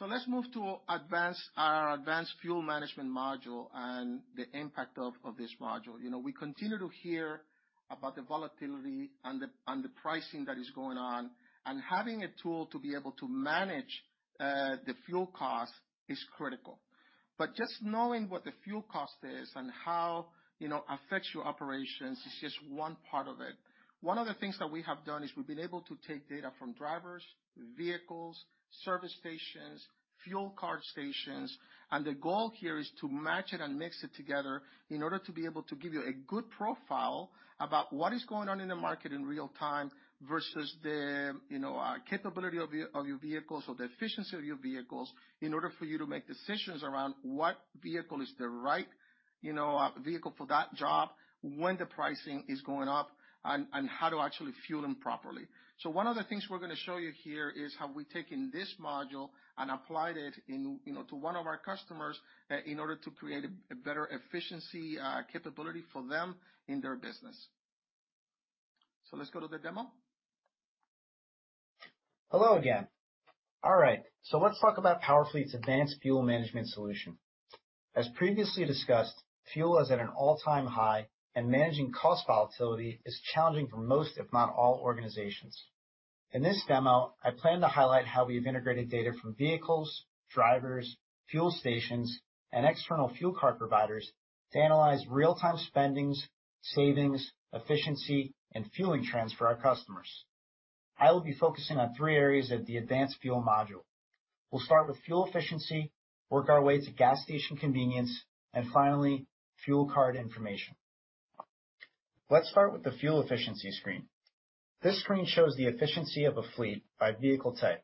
Okay. Let's move to advanced fuel management module and the impact of this module. You know, we continue to hear about the volatility and the pricing that is going on, and having a tool to be able to manage the fuel cost is critical. just knowing what the fuel cost is and how, you know, affects your operations is just one part of it. One of the things that we have done is we've been able to take data from drivers, vehicles, service stations, fuel card stations, and the goal here is to match it and mix it together in order to be able to give you a good profile about what is going on in the market in real-time versus the, you know, capability of your vehicles or the efficiency of your vehicles in order for you to make decisions around what vehicle is the right, you know, vehicle for that job, when the pricing is going up, and how to actually fuel them properly. One of the things we're gonna show you here is how we've taken this module and applied it in, you know, to one of our customers in order to create a better efficiency capability for them in their business. Let's go to the demo. Hello again. All right, so let's talk about PowerFleet's advanced fuel management solution. As previously discussed, fuel is at an all-time high, and managing cost volatility is challenging for most, if not all, organizations. In this demo, I plan to highlight how we have integrated data from vehicles, drivers, fuel stations, and external fuel card providers to analyze real-time spending, savings, efficiency, and fueling trends for our customers. I will be focusing on three areas of the advanced fuel module. We'll start with fuel efficiency, work our way to gas station convenience, and finally, fuel card information. Let's start with the fuel efficiency screen. This screen shows the efficiency of a fleet by vehicle type.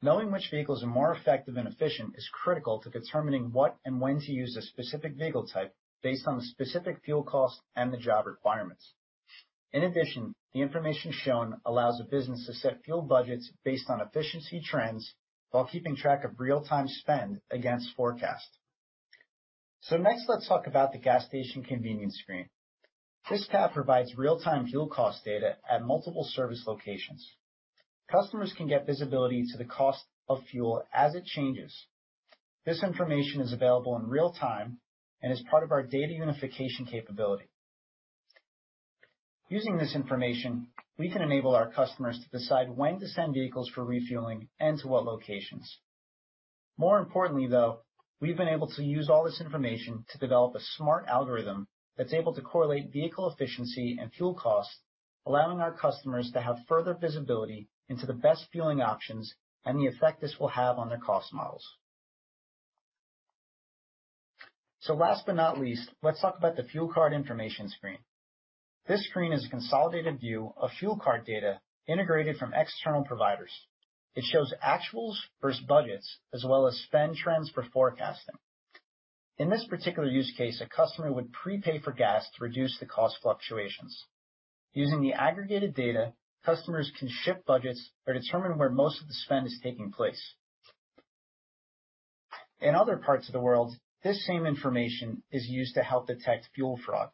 Knowing which vehicles are more effective and efficient is critical to determining what and when to use a specific vehicle type based on the specific fuel cost and the job requirements. In addition, the information shown allows a business to set fuel budgets based on efficiency trends while keeping track of real-time spend against forecast. Next, let's talk about the gas station convenience screen. This tab provides real-time fuel cost data at multiple service locations. Customers can get visibility to the cost of fuel as it changes. This information is available in real time and is part of our data unification capability. Using this information, we can enable our customers to decide when to send vehicles for refueling and to what locations. More importantly, though, we've been able to use all this information to develop a smart algorithm that's able to correlate vehicle efficiency and fuel costs, allowing our customers to have further visibility into the best fueling options and the effect this will have on their cost models. Last but not least, let's talk about the fuel card information screen. This screen is a consolidated view of fuel card data integrated from external providers. It shows actuals versus budgets, as well as spend trends for forecasting. In this particular use case, a customer would prepay for gas to reduce the cost fluctuations. Using the aggregated data, customers can shift budgets or determine where most of the spend is taking place. In other parts of the world, this same information is used to help detect fuel fraud.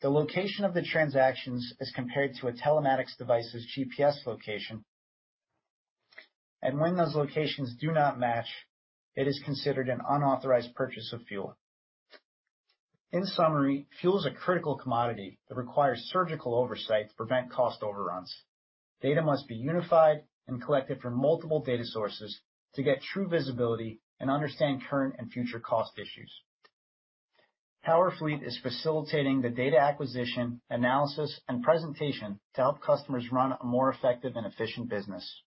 The location of the transactions is compared to a telematics device's GPS location, and when those locations do not match, it is considered an unauthorized purchase of fuel. In summary, fuel is a critical commodity that requires surgical oversight to prevent cost overruns. Data must be unified and collected from multiple data sources to get true visibility and understand current and future cost issues. PowerFleet is facilitating the data acquisition, analysis, and presentation to help customers run a more effective and efficient business.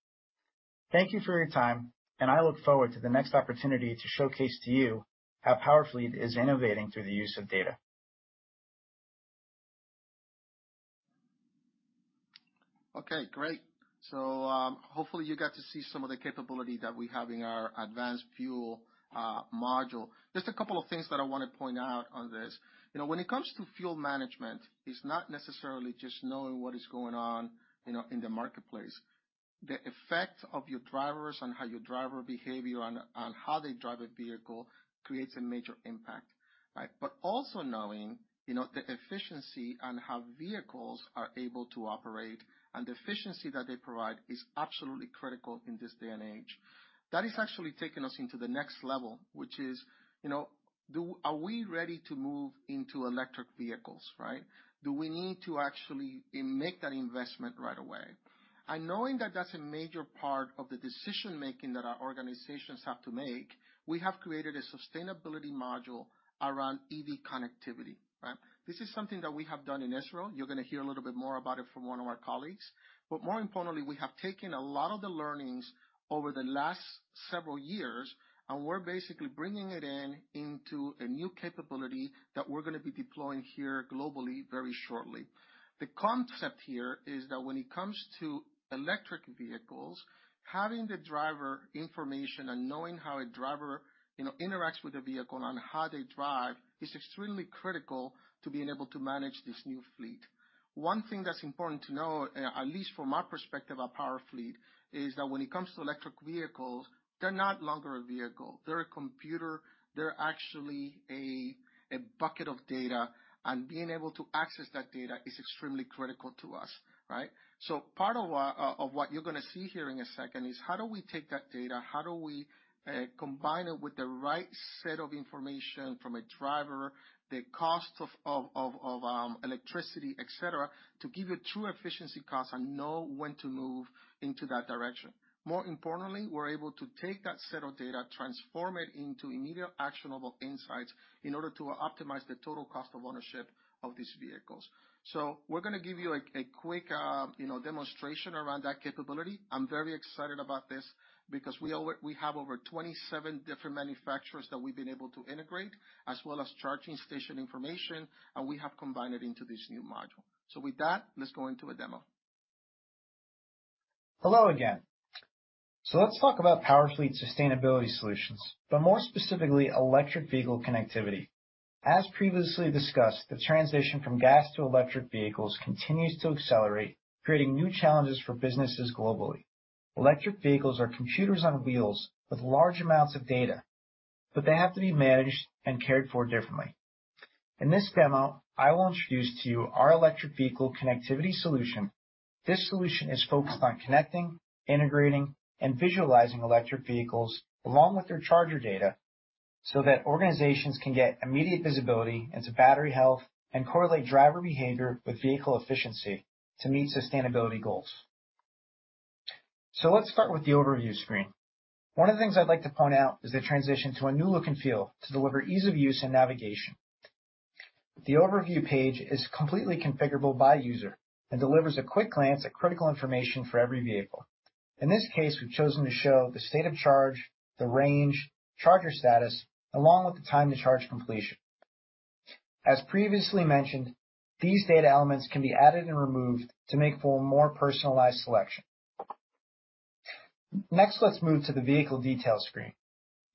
Thank you for your time, and I look forward to the next opportunity to showcase to you how PowerFleet is innovating through the use of data. Okay, great. Hopefully you got to see some of the capability that we have in our advanced fuel module. Just a couple of things that I want to point out on this. You know, when it comes to fuel management, it's not necessarily just knowing what is going on, you know, in the marketplace. The effect of your drivers and how your driver behavior on how they drive a vehicle creates a major impact, right? But also knowing, you know, the efficiency on how vehicles are able to operate and the efficiency that they provide is absolutely critical in this day and age. That is actually taking us into the next level, which is, you know, are we ready to move into electric vehicles, right? Do we need to actually make that investment right away? Knowing that that's a major part of the decision-making that our organizations have to make, we have created a sustainability module around EV connectivity, right? This is something that we have done in Israel. You're gonna hear a little bit more about it from one of our colleagues. More importantly, we have taken a lot of the learnings over the last several years, and we're basically bringing it in into a new capability that we're gonna be deploying here globally very shortly. The concept here is that when it comes to electric vehicles, having the driver information and knowing how a driver, you know, interacts with the vehicle and how they drive is extremely critical to being able to manage this new fleet. One thing that's important to know, at least from my perspective at PowerFleet, is that when it comes to electric vehicles, they're no longer a vehicle. They're a computer. They're actually a bucket of data, and being able to access that data is extremely critical to us, right? Part of what you're gonna see here in a second is how do we take that data? How do we combine it with the right set of information from a driver, the cost of electricity, et cetera, to give you true efficiency costs and know when to move into that direction. More importantly, we're able to take that set of data, transform it into immediate actionable insights in order to optimize the total cost of ownership of these vehicles. We're gonna give you a quick, you know, demonstration around that capability. I'm very excited about this because we have over 27 different manufacturers that we've been able to integrate, as well as charging station information, and we have combined it into this new module. With that, let's go into a demo. Hello again. Let's talk about PowerFleet sustainability solutions, but more specifically, electric vehicle connectivity. As previously discussed, the transition from gas to electric vehicles continues to accelerate, creating new challenges for businesses globally. Electric vehicles are computers on wheels with large amounts of data, but they have to be managed and cared for differently. In this demo, I will introduce to you our electric vehicle connectivity solution. This solution is focused on connecting, integrating, and visualizing electric vehicles along with their charger data so that organizations can get immediate visibility into battery health and correlate driver behavior with vehicle efficiency to meet sustainability goals. Let's start with the overview screen. One of the things I'd like to point out is the transition to a new look and feel to deliver ease of use and navigation. The overview page is completely configurable by user and delivers a quick glance at critical information for every vehicle. In this case, we've chosen to show the state of charge, the range, charger status, along with the time to charge completion. As previously mentioned, these data elements can be added and removed to make for a more personalized selection. Next, let's move to the vehicle detail screen.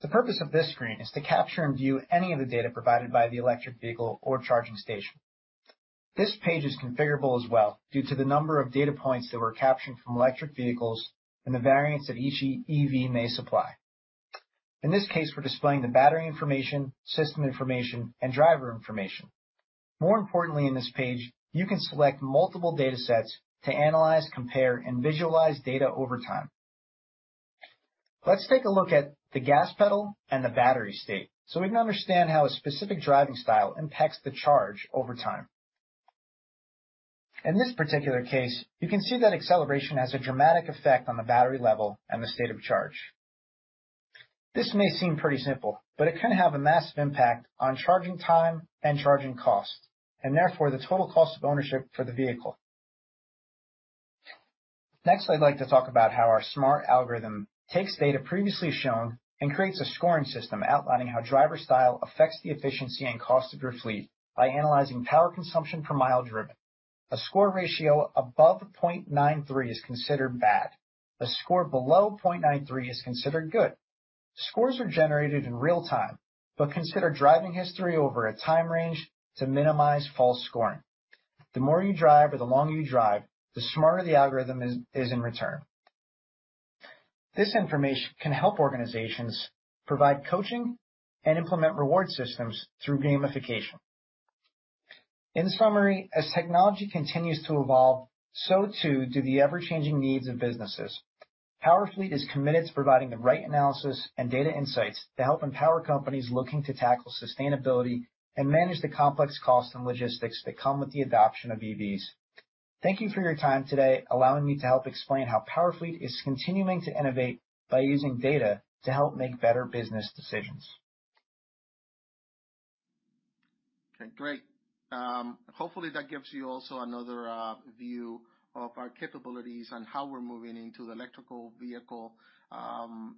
The purpose of this screen is to capture and view any of the data provided by the electric vehicle or charging station. This page is configurable as well due to the number of data points that we're capturing from electric vehicles and the variance that each EV may supply. In this case, we're displaying the battery information, system information, and driver information. More importantly, in this page, you can select multiple datasets to analyze, compare, and visualize data over time. Let's take a look at the gas pedal and the battery state so we can understand how a specific driving style impacts the charge over time. In this particular case, you can see that acceleration has a dramatic effect on the battery level and the state of charge. This may seem pretty simple, but it can have a massive impact on charging time and charging costs, and therefore the total cost of ownership for the vehicle. Next, I'd like to talk about how our smart algorithm takes data previously shown and creates a scoring system outlining how driver style affects the efficiency and cost of your fleet by analyzing power consumption per mile driven. A score ratio above 0.93 is considered bad. A score below 0.93 is considered good. Scores are generated in real time, but consider driving history over a time range to minimize false scoring. The more you drive or the longer you drive, the smarter the algorithm is in return. This information can help organizations provide coaching and implement reward systems through gamification. In summary, as technology continues to evolve, so too do the ever-changing needs of businesses. PowerFleet is committed to providing the right analysis and data insights to help empower companies looking to tackle sustainability and manage the complex cost and logistics that come with the adoption of EVs. Thank you for your time today, allowing me to help explain how PowerFleet is continuing to innovate by using data to help make better business decisions. Okay, great. Hopefully, that gives you also another view of our capabilities on how we're moving into the electric vehicle,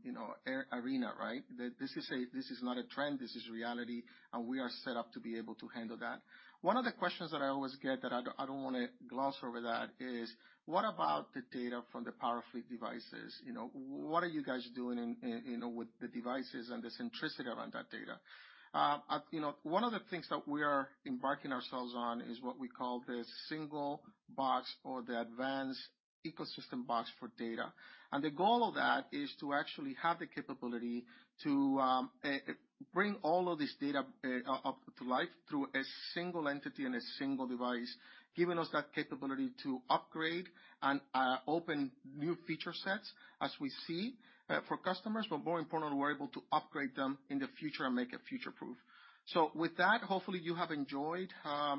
you know, arena, right? This is not a trend, this is reality, and we are set up to be able to handle that. One of the questions that I always get that I don't wanna gloss over that is, what about the data from the PowerFleet devices? You know, what are you guys doing in, you know, with the devices and the centricity around that data? You know, one of the things that we are embarking on is what we call the single box or the advanced ecosystem box for data. The goal of that is to actually have the capability to bring all of this data to life through a single entity and a single device, giving us that capability to upgrade and open new feature sets as we see for customers, but more importantly, we're able to upgrade them in the future and make it future-proof. With that, hopefully you have enjoyed,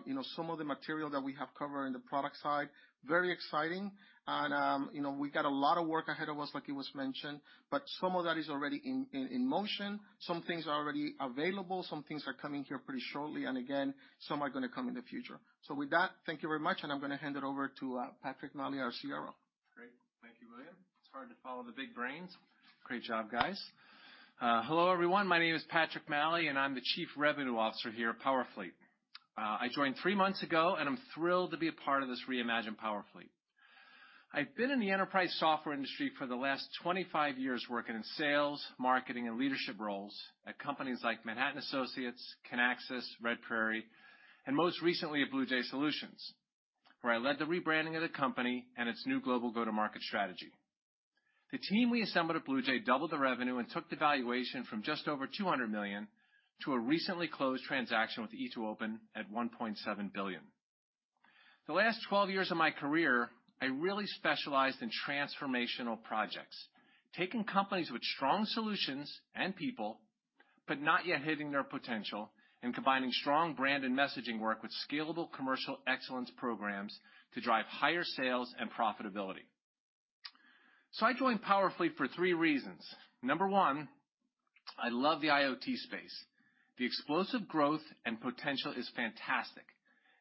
you know, some of the material that we have covered in the product side. Very exciting. You know, we got a lot of work ahead of us like it was mentioned, but some of that is already in motion. Some things are already available, some things are coming here pretty shortly, and again, some are gonna come in the future. With that, thank you very much, and I'm gonna hand it over to Patrick Maley, our CRO. Great. Thank you, William. It's hard to follow the big brains. Great job, guys. Hello, everyone. My name is Patrick Maley, and I'm the Chief Revenue Officer here at PowerFleet. I joined three months ago, and I'm thrilled to be a part of this reimagined PowerFleet. I've been in the enterprise software industry for the last 25 years, working in sales, marketing, and leadership roles at companies like Manhattan Associates, Kinaxis, RedPrairie, and most recently at BluJay Solutions, where I led the rebranding of the company and its new global go-to-market strategy. The team we assembled at BluJay doubled the revenue and took the valuation from just over $200 million to a recently closed transaction with E2open at $1.7 billion. The last 12 years of my career, I really specialized in transformational projects, taking companies with strong solutions and people, but not yet hitting their potential, and combining strong brand and messaging work with scalable commercial excellence programs to drive higher sales and profitability. I joined PowerFleet for three reasons. Number one, I love the IoT space. The explosive growth and potential is fantastic.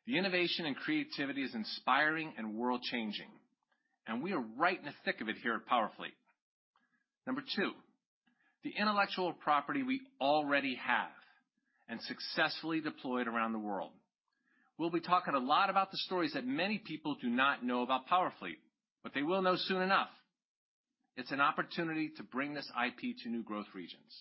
The innovation and creativity is inspiring and world-changing, and we are right in the thick of it here at PowerFleet. Number two, the intellectual property we already have and successfully deployed around the world. We'll be talking a lot about the stories that many people do not know about PowerFleet, but they will know soon enough. It's an opportunity to bring this IP to new growth regions.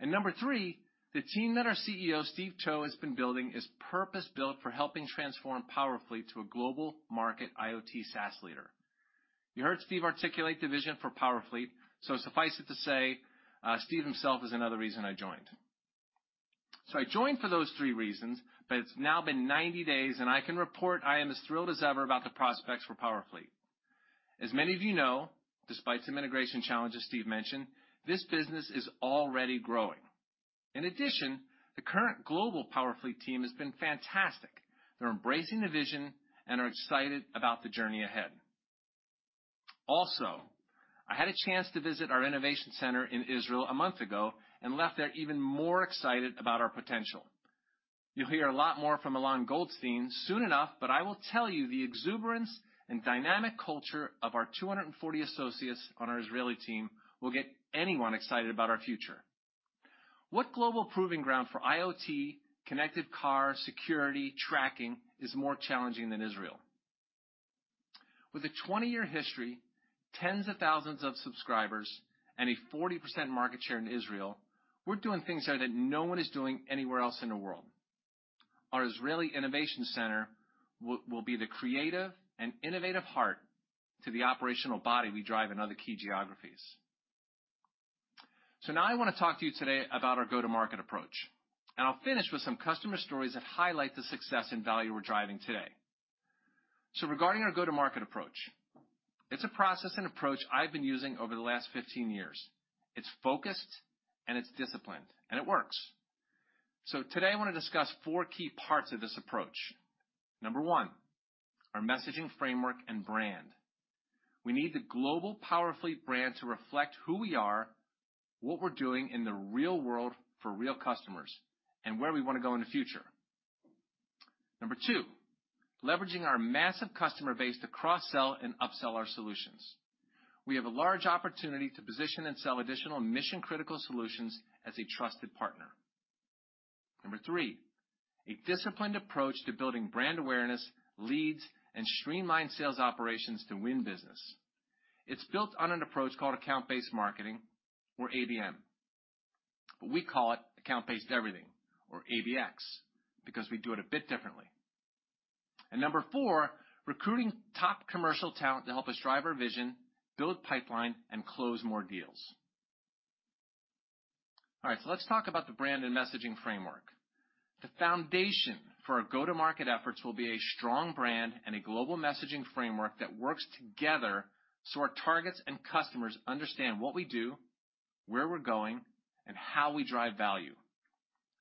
Number three, the team that our CEO, Steve Towe, has been building is purpose-built for helping transform PowerFleet to a global market IoT SaaS leader. You heard Steve articulate the vision for PowerFleet, so suffice it to say, Steve himself is another reason I joined. I joined for those three reasons, but it's now been 90 days, and I can report I am as thrilled as ever about the prospects for PowerFleet. As many of you know, despite some integration challenges Steve mentioned, this business is already growing. In addition, the current global PowerFleet team has been fantastic. They're embracing the vision and are excited about the journey ahead. Also, I had a chance to visit our innovation center in Israel a month ago and left there even more excited about our potential. You'll hear a lot more from Ilan Goldstein soon enough, but I will tell you, the exuberance and dynamic culture of our 240 associates on our Israeli team will get anyone excited about our future. What global proving ground for IoT, connected car, security, tracking is more challenging than Israel? With a 20-year history, tens of thousands of subscribers and a 40% market share in Israel, we're doing things here that no one is doing anywhere else in the world. Our Israeli innovation center will be the creative and innovative heart to the operational body we drive in other key geographies. Now I want to talk to you today about our go-to-market approach, and I'll finish with some customer stories that highlight the success and value we're driving today. Regarding our go-to-market approach, it's a process and approach I've been using over the last 15 years. It's focused and it's disciplined and it works. Today I want to discuss four key parts of this approach. Number one, our messaging framework and brand. We need the global PowerFleet brand to reflect who we are, what we're doing in the real world for real customers, and where we want to go in the future. Number two, leveraging our massive customer base to cross-sell and upsell our solutions. We have a large opportunity to position and sell additional mission-critical solutions as a trusted partner. Number three, a disciplined approach to building brand awareness, leads, and streamlined sales operations to win business. It's built on an approach called account-based marketing or ABM, but we call it account-based everything or ABX because we do it a bit differently. Number four, recruiting top commercial talent to help us drive our vision, build pipeline and close more deals. All right, let's talk about the brand and messaging framework. The foundation for our go-to-market efforts will be a strong brand and a global messaging framework that works together so our targets and customers understand what we do, where we're going, and how we drive value.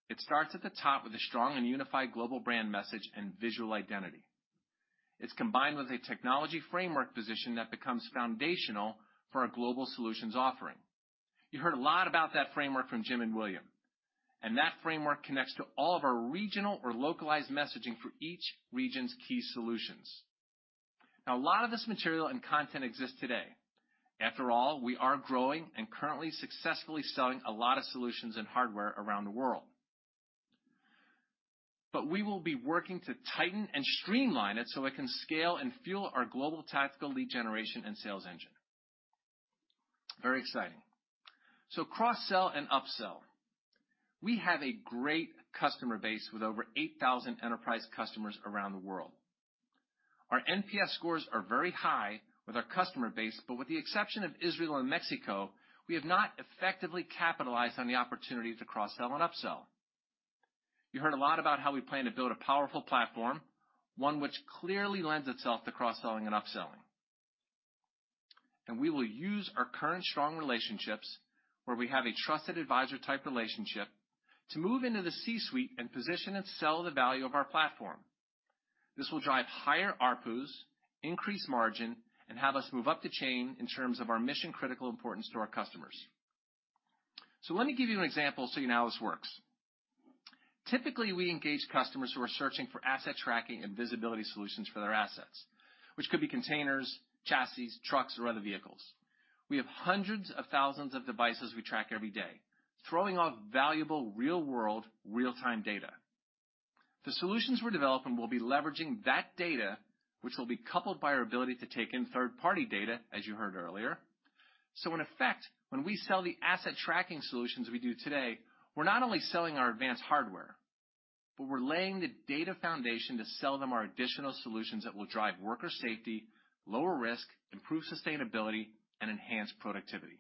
It starts at the top with a strong and unified global brand message and visual identity. It's combined with a technology framework position that becomes foundational for our global solutions offering. You heard a lot about that framework from Jim and William, and that framework connects to all of our regional or localized messaging for each region's key solutions. Now a lot of this material and content exists today. After all, we are growing and currently successfully selling a lot of solutions and hardware around the world. We will be working to tighten and streamline it so it can scale and fuel our global tactical lead generation and sales engine. Very exciting. Cross-sell and upsell. We have a great customer base with over 8,000 enterprise customers around the world. Our NPS scores are very high with our customer base, but with the exception of Israel and Mexico, we have not effectively capitalized on the opportunity to cross-sell and upsell. You heard a lot about how we plan to build a powerful platform, one which clearly lends itself to cross-selling and upselling. We will use our current strong relationships where we have a trusted advisor type relationship to move into the C-suite and position and sell the value of our platform. This will drive higher ARPUs, increase margin and have us move up the chain in terms of our mission-critical importance to our customers. Let me give you an example so you know how this works. Typically we engage customers who are searching for asset tracking and visibility solutions for their assets, which could be containers, chassis, trucks or other vehicles. We have hundreds of thousands of devices we track every day, throwing off valuable real-world, real-time data. The solutions we're developing will be leveraging that data which will be coupled by our ability to take in third-party data as you heard earlier. In effect when we sell the asset tracking solutions we do today, we're not only selling our advanced hardware, but we're laying the data foundation to sell them our additional solutions that will drive worker safety, lower risk, improve sustainability and enhance productivity.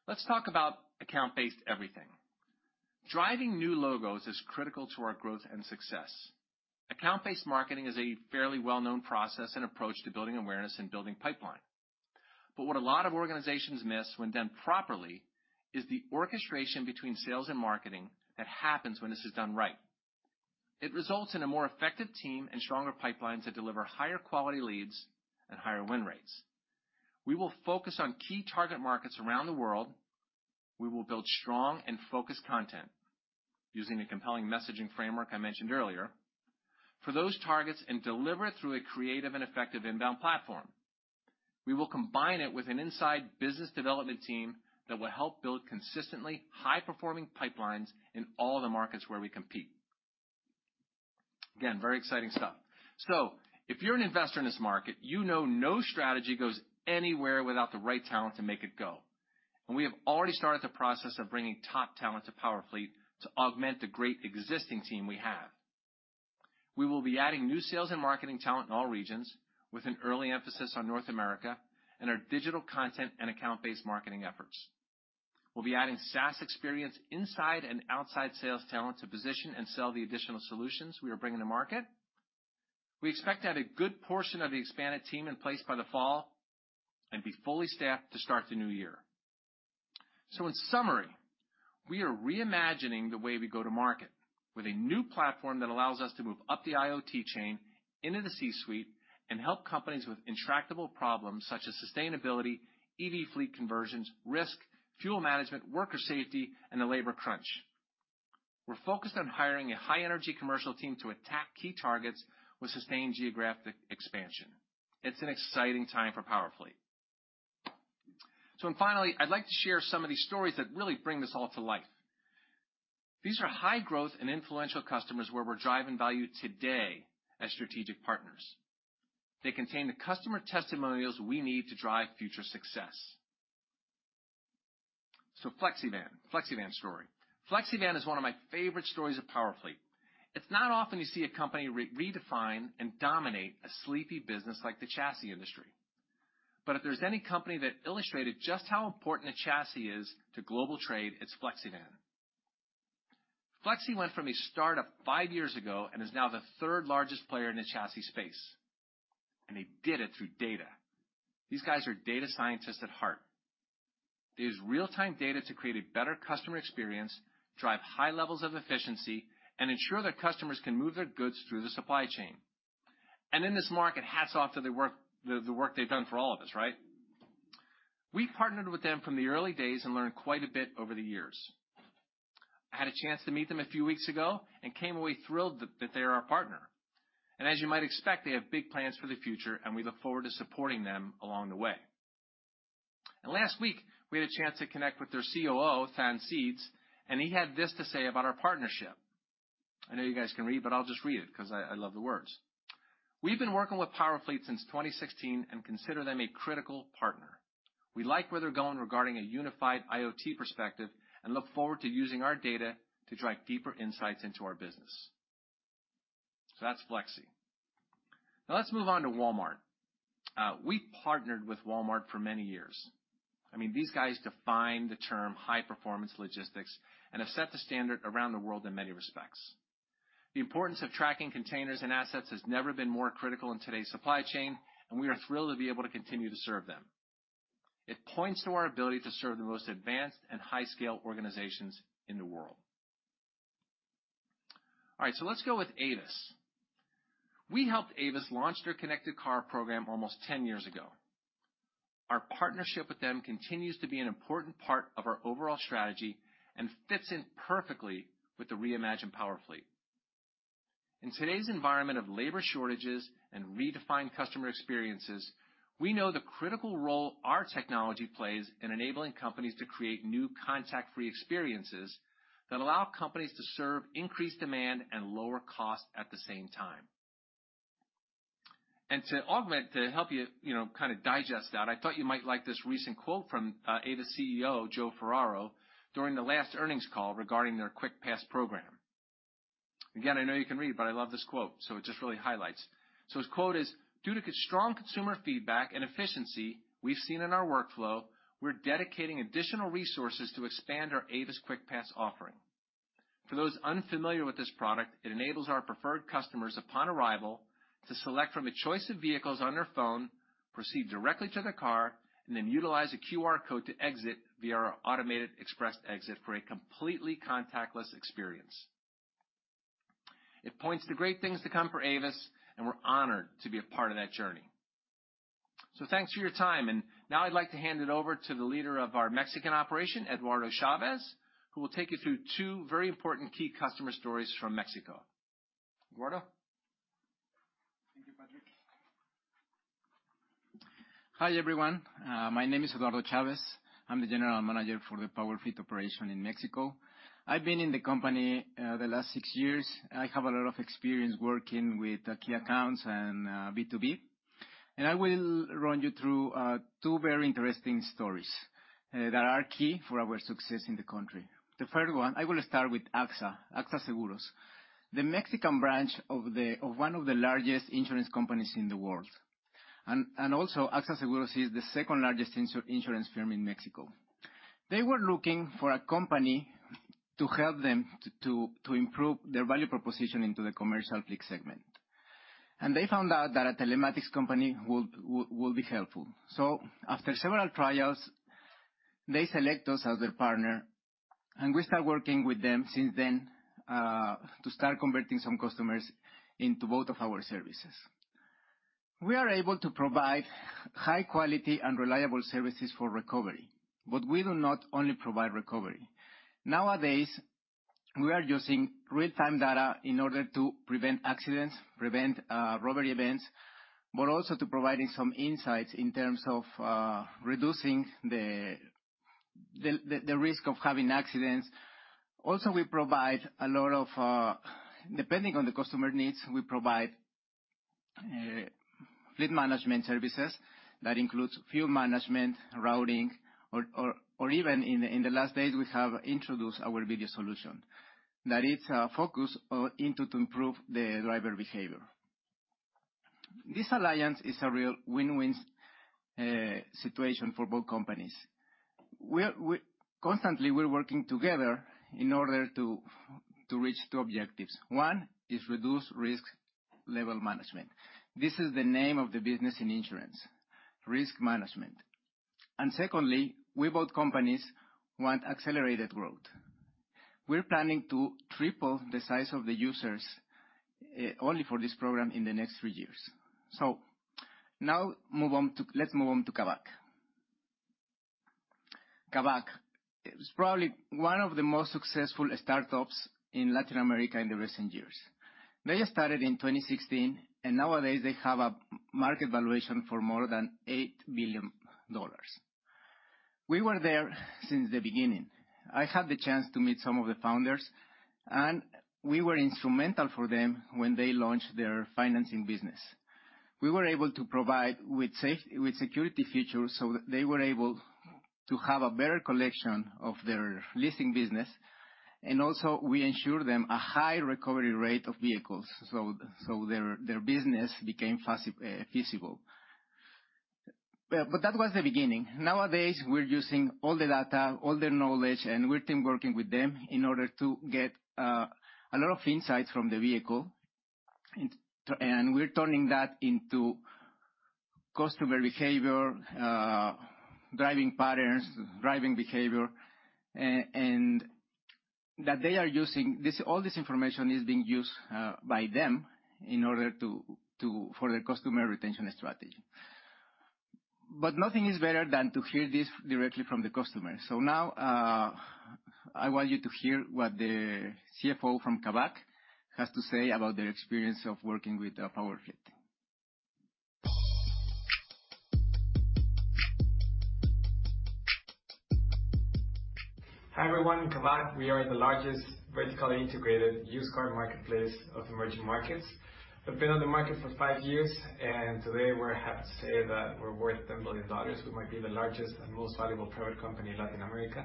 Okay, let's talk about account-based everything. Driving new logos is critical to our growth and success. Account-based marketing is a fairly well-known process and approach to building awareness and building pipeline. What a lot of organizations miss when done properly is the orchestration between sales and marketing that happens when this is done right. It results in a more effective team and stronger pipelines that deliver higher quality leads and higher win rates. We will focus on key target markets around the world. We will build strong and focused content using the compelling messaging framework I mentioned earlier for those targets and deliver it through a creative and effective inbound platform. We will combine it with an inside business development team that will help build consistently high performing pipelines in all the markets where we compete. Again, very exciting stuff. If you're an investor in this market you know no strategy goes anywhere without the right talent to make it go. We have already started the process of bringing top talent to PowerFleet to augment the great existing team we have. We will be adding new sales and marketing talent in all regions with an early emphasis on North America and our digital content and account-based marketing efforts. We'll be adding SaaS experience inside and outside sales talent to position and sell the additional solutions we are bringing to market. We expect to have a good portion of the expanded team in place by the fall and be fully staffed to start the new year. In summary we are reimagining the way we go to market with a new platform that allows us to move up the IoT chain into the C-suite and help companies with intractable problems such as sustainability, EV fleet conversions, risk, fuel management, worker safety and the labor crunch. We're focused on hiring a high energy commercial team to attack key targets with sustained geographic expansion. It's an exciting time for PowerFleet. Finally, I'd like to share some of these stories that really bring this all to life. These are high growth and influential customers where we're driving value today as strategic partners. They contain the customer testimonials we need to drive future success. FlexiVan. FlexiVan story. FlexiVan is one of my favorite stories of PowerFleet. It's not often you see a company redefine and dominate a sleepy business like the chassis industry. If there's any company that illustrated just how important a chassis is to global trade, it's FlexiVan. FlexiVan went from a startup five years ago and is now the third-largest player in the chassis space, and they did it through data. These guys are data scientists at heart. They use real-time data to create a better customer experience, drive high levels of efficiency, and ensure their customers can move their goods through the supply chain. In this market, hats off to the work they've done for all of us, right? We partnered with them from the early days and learned quite a bit over the years. I had a chance to meet them a few weeks ago and came away thrilled that they are our partner. As you might expect, they have big plans for the future, and we look forward to supporting them along the way. Last week, we had a chance to connect with their COO, Than Seeds, and he had this to say about our partnership. I know you guys can read, but I'll just read it 'cause I love the words. "We've been working with PowerFleet since 2016 and consider them a critical partner. We like where they're going regarding a unified IoT perspective and look forward to using our data to drive deeper insights into our business." So that's Flexi. Now let's move on to Walmart. We partnered with Walmart for many years. I mean, these guys define the term high performance logistics and have set the standard around the world in many respects. The importance of tracking containers and assets has never been more critical in today's supply chain, and we are thrilled to be able to continue to serve them. It points to our ability to serve the most advanced and high-scale organizations in the world. All right, so let's go with Avis. We helped Avis launch their connected car program almost 10 years ago. Our partnership with them continues to be an important part of our overall strategy and fits in perfectly with the reimagined PowerFleet. In today's environment of labor shortages and redefined customer experiences, we know the critical role our technology plays in enabling companies to create new contact-free experiences that allow companies to serve increased demand and lower costs at the same time. To augment, to help you know, kinda digest that, I thought you might like this recent quote from Avis CEO Joe Ferraro during the last earnings call regarding their QuickPass program. Again, I know you can read, but I love this quote, so it just really highlights. His quote is, "Due to strong consumer feedback and efficiency we've seen in our workflow, we're dedicating additional resources to expand our Avis QuickPass offering. For those unfamiliar with this product, it enables our preferred customers, upon arrival, to select from a choice of vehicles on their phone, proceed directly to their car, and then utilize a QR code to exit via our automated express exit for a completely contactless experience." It points to great things to come for Avis, and we're honored to be a part of that journey. Thanks for your time, and now I'd like to hand it over to the leader of our Mexican operation, Eduardo Chavez, who will take you through two very important key customer stories from Mexico. Eduardo? Thank you, Patrick. Hi, everyone. My name is Eduardo Chavez. I'm the general manager for the PowerFleet operation in Mexico. I've been in the company the last six years. I have a lot of experience working with key accounts and B2B. I will run you through two very interesting stories that are key for our success in the country. The first one, I will start with AXA Seguros, the Mexican branch of one of the largest insurance companies in the world. AXA Seguros is the second-largest insurance firm in Mexico. They were looking for a company to help them to improve their value proposition into the commercial fleet segment. They found out that a telematics company would be helpful. After several trials, they select us as their partner, and we start working with them since then to start converting some customers into both of our services. We are able to provide high quality and reliable services for recovery, but we do not only provide recovery. Nowadays, we are using real-time data in order to prevent accidents, prevent robbery events, but also to providing some insights in terms of reducing the risk of having accidents. Also, we provide a lot of, depending on the customer needs, we provide fleet management services that includes fuel management, routing, or even in the last days, we have introduced our video solution that is focused intended to improve the driver behavior. This alliance is a real win-win situation for both companies. We're constantly working together in order to reach two objectives. One is reduce risk level management. This is the name of the business in insurance, risk management. Secondly, we both companies want accelerated growth. We're planning to triple the size of the users only for this program in the next three years. Let's move on to Kavak. Kavak is probably one of the most successful startups in Latin America in the recent years. They started in 2016, and nowadays they have a market valuation for more than $8 billion. We were there since the beginning. I had the chance to meet some of the founders, and we were instrumental for them when they launched their financing business. We were able to provide with security features, so they were able to have a better collection of their leasing business. Also, we ensure them a high recovery rate of vehicles, so their business became feasible. That was the beginning. Nowadays, we're using all the data, all their knowledge, and we're team working with them in order to get a lot of insights from the vehicle. And we're turning that into customer behavior, driving patterns, driving behavior, and that they are using. All this information is being used by them in order to for their customer retention strategy. Nothing is better than to hear this directly from the customer. I want you to hear what the CFO from Kavak has to say about their experience of working with PowerFleet. Hi, everyone. Kavak, we are the largest vertically integrated used car marketplace of emerging markets. We've been on the market for five years, and today we're happy to say that we're worth $10 billion. We might be the largest and most valuable private company in Latin America.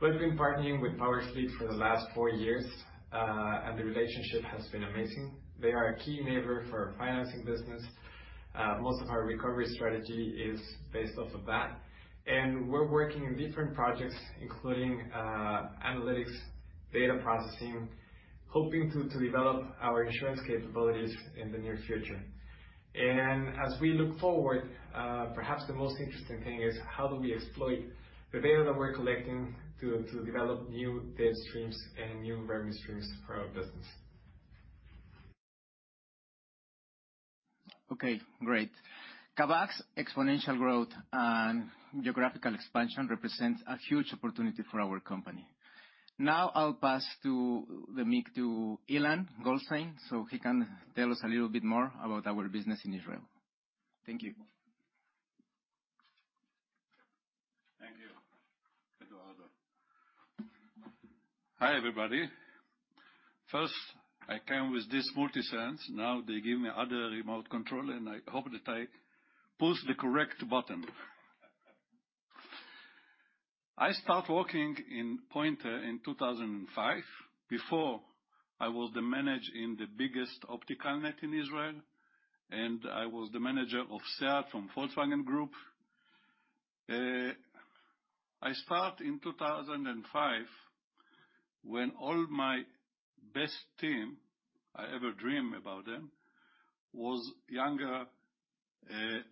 We've been partnering with PowerFleet for the last four years, and the relationship has been amazing. They are a key enabler for our financing business. Most of our recovery strategy is based off of that. We're working in different projects including analytics, data processing, hoping to develop our insurance capabilities in the near future. As we look forward, perhaps the most interesting thing is how do we exploit the data that we're collecting to develop new data streams and new revenue streams for our business. Okay, great. Kavak's exponential growth and geographical expansion represents a huge opportunity for our company. Now I'll pass to the mic to Ilan Goldstein, so he can tell us a little bit more about our business in Israel. Thank you. Thank you, Eduardo. Hi, everybody. First, I came with this MultiSense. Now they give me other remote control, and I hope that I push the correct button. I start working in Pointer in 2005. Before, I was the manager in the biggest optical net in Israel, and I was the manager of SEAT from Volkswagen Group. I start in 2005, when all my best team, I ever dream about them, was younger.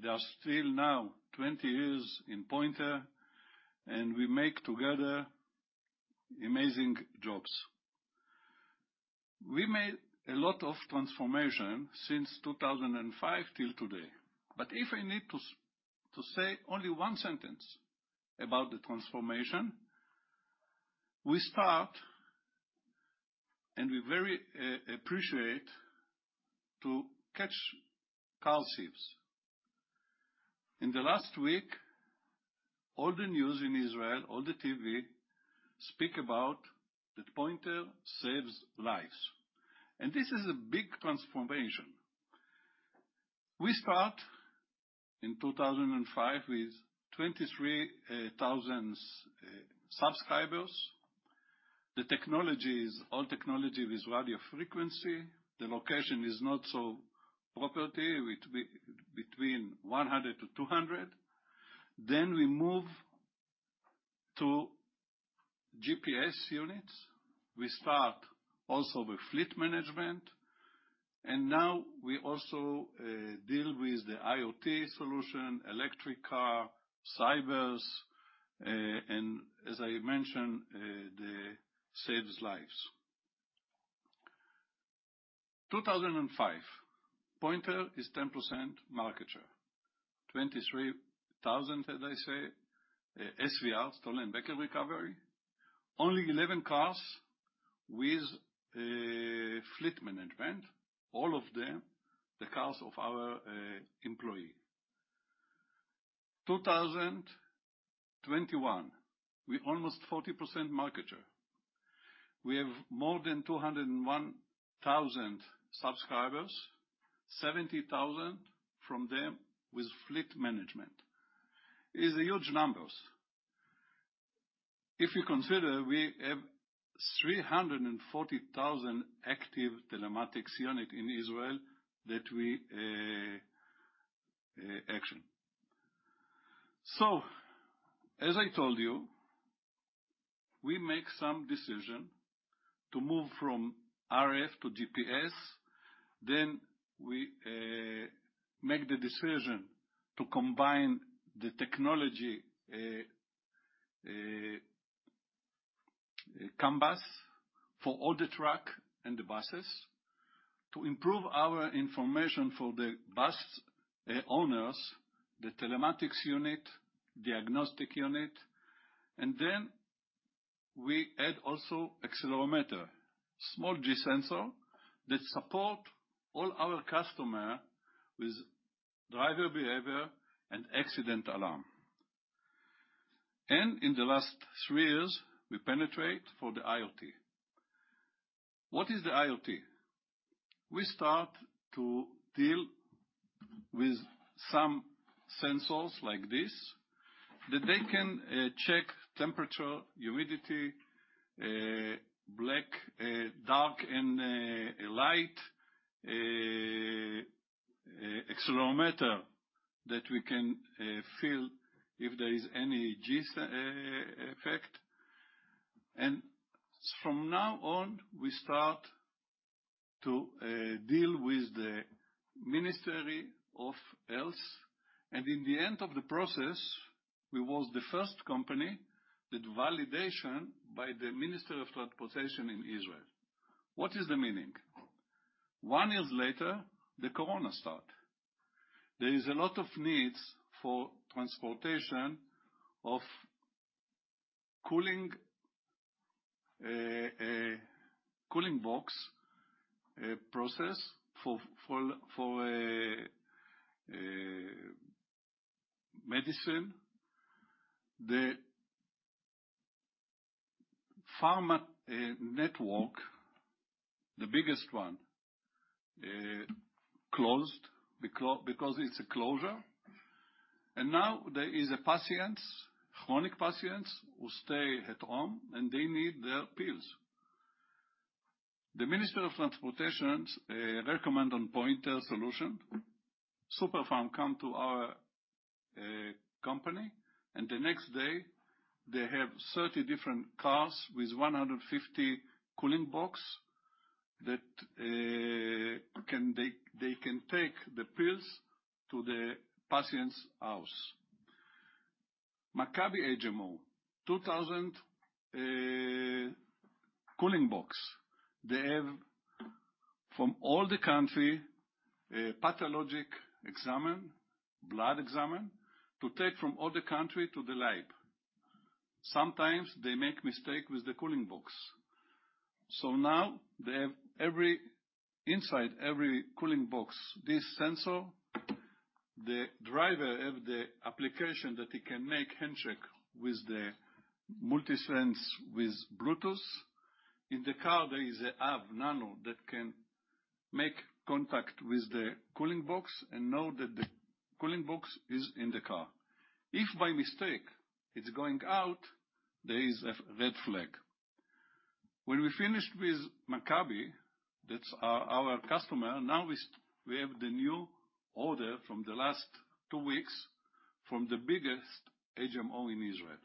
They are still now 20 years in Pointer, and we make together amazing jobs. We made a lot of transformation since 2005 till today. If I need to say only one sentence about the transformation, we start, and we very appreciate to catch car thieves. In the last week, all the news in Israel, all the TV speak about that Pointer saves lives. This is a big transformation. We start in 2005 with 23,000 subscribers. The technology, all technology is radio frequency. The location is not so precise, between 100 to 200. Then we move to GPS units. We start also with fleet management, and now we also deal with the IoT solution, electric car, cybersecurity, and as I mentioned, they saves lives. 2005, Pointer is 10% market share. 23,000, as I say, SVR, stolen vehicle recovery. Only 11 cars with fleet management, all of them, the cars of our employee. 2021, we almost 40% market share. We have more than 201,000 subscribers. 70,000 from them with fleet management. Is a huge numbers. If you consider we have 340,000 active telematics unit in Israel that we action. As I told you, we make some decision to move from RF to GPS. We make the decision to combine the technology, CAN bus for all the truck and the buses. To improve our information for the bus owners, the telematics unit, diagnostic unit, and then we add also accelerometer, small G-sensor that support all our customer with driver behavior and accident alarm. In the last three years, we penetrate for the IoT. What is the IoT? We start to deal with some sensors like this, that they can check temperature, humidity, black, dark and light, accelerometer that we can feel if there is any G's effect. From now on, we start to deal with the Ministry of Health. In the end of the process, we was the first company that validation by the Minister of Transportation in Israel. What is the meaning? One year later, the corona start. There is a lot of needs for transportation of cooling box process for medicine. The pharma network, the biggest one, closed because it's a closure and now there is a patients, chronic patients who stay at home, and they need their pills. The Minister of Transportation recommend on Pointer solution. Super-Pharm come to our company, and the next day they have 30 different cars with 150 cooling box that they can take the pills to the patient's house. Maccabi HMO, 2,000 cooling box. They have from all over the country, pathological examination, blood examination to take from all over the country to the lab. Sometimes they make mistake with the cooling box. Now they have inside every cooling box, this sensor, the driver have the application that he can make handshake with the MultiSense with Bluetooth. In the car, there is a hub, nano that can make contact with the cooling box and know that the cooling box is in the car. If by mistake it's going out, there is a red flag. When we finished with Maccabi, that's our customer. Now we have the new order from the last two weeks, from the biggest HMO in Israel.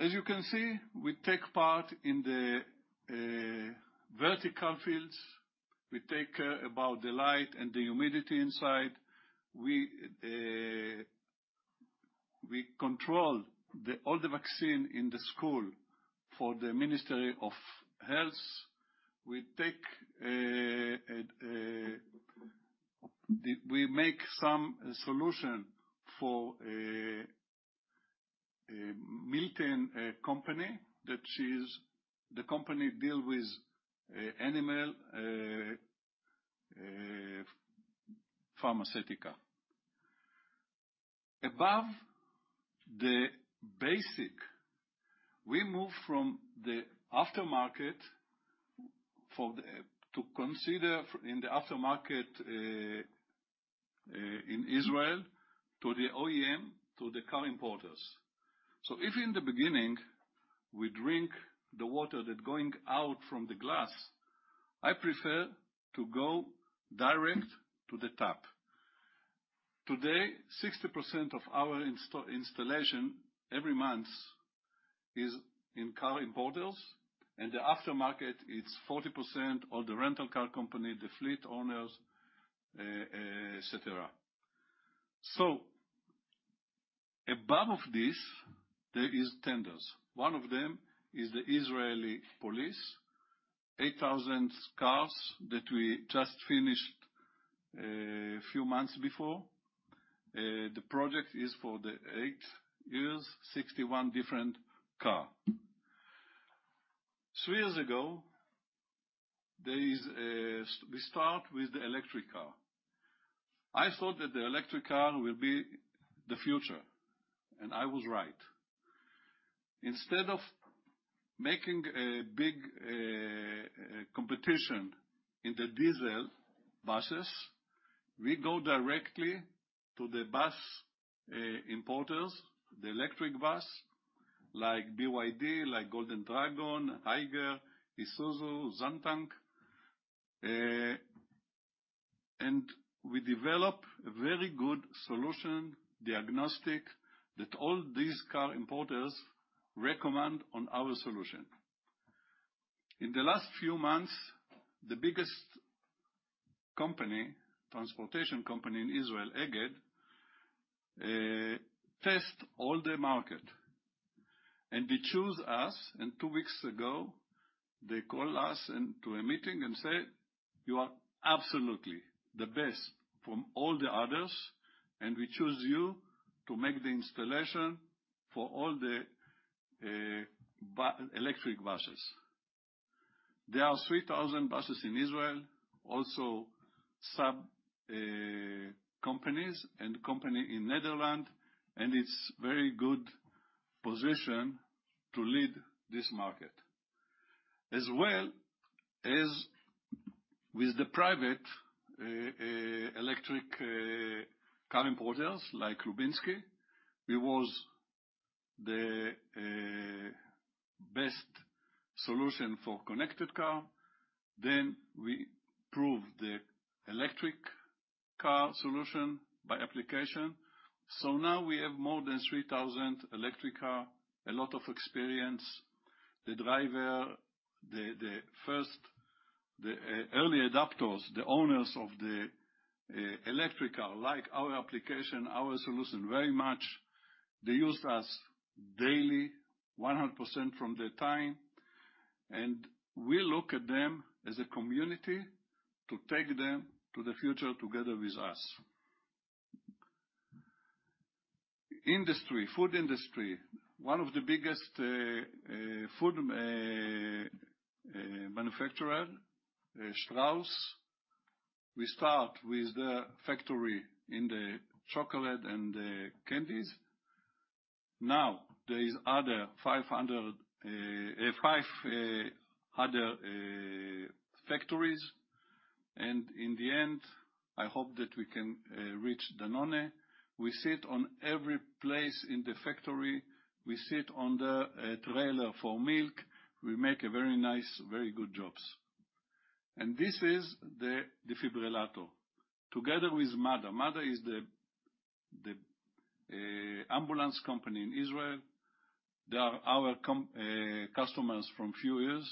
As you can see, we take part in the vertical fields. We talk about the light and the humidity inside. We control all the vaccines in Israel for the Ministry of Health. We make some solution for a Milten company that deals with animal pharmaceuticals. Above the basics, we move from the aftermarket in Israel to the OEM, to the car importers. If in the beginning we drink the water that's going out from the glass, I prefer to go direct to the tap. Today, 60% of our installation every month is in car importers, and the aftermarket it's 40% of the rental car company, the fleet owners, et cetera. Above this there are tenders. One of them is the Israel Police, 8,000 cars that we just finished a few months before. The project is for eight years, 61 different car. Three years ago, we start with the electric car. I thought that the electric car will be the future, and I was right. Instead of making a big competition in the diesel buses, we go directly to the bus importers, the electric bus like BYD, like Golden Dragon, Higer, Isuzu, Zhongtong. We develop a very good solution, diagnostic that all these car importers recommend on our solution. In the last few months, the biggest company, transportation company in Israel, Egged, test all the market, and they choose us. Two weeks ago, they call us into a meeting and say, "You are absolutely the best from all the others, and we choose you to make the installation for all the electric buses." There are 3,000 buses in Israel, also subsidiary companies and company in Netherlands, and it's very good position to lead this market. As well as with the private electric car importers like Lubinski. It was the best solution for connected car. We proved the electric car solution by application. Now we have more than 3,000 electric cars, a lot of experience. The driver, the first early adopters, the owners of the electric cars like our application, our solution, very much. They use us daily 100% from the time, and we look at them as a community to take them to the future together with us. Food industry. One of the biggest food manufacturer, Strauss. We start with the factory in the chocolate and the candies. Now there are 500 other factories, and in the end, I hope that we can reach Danone. We sit on every place in the factory. We sit on the trailer for milk. We make a very nice, very good jobs. This is the defibrillator together with MDA. MDA is the ambulance company in Israel. They are our customers for few years,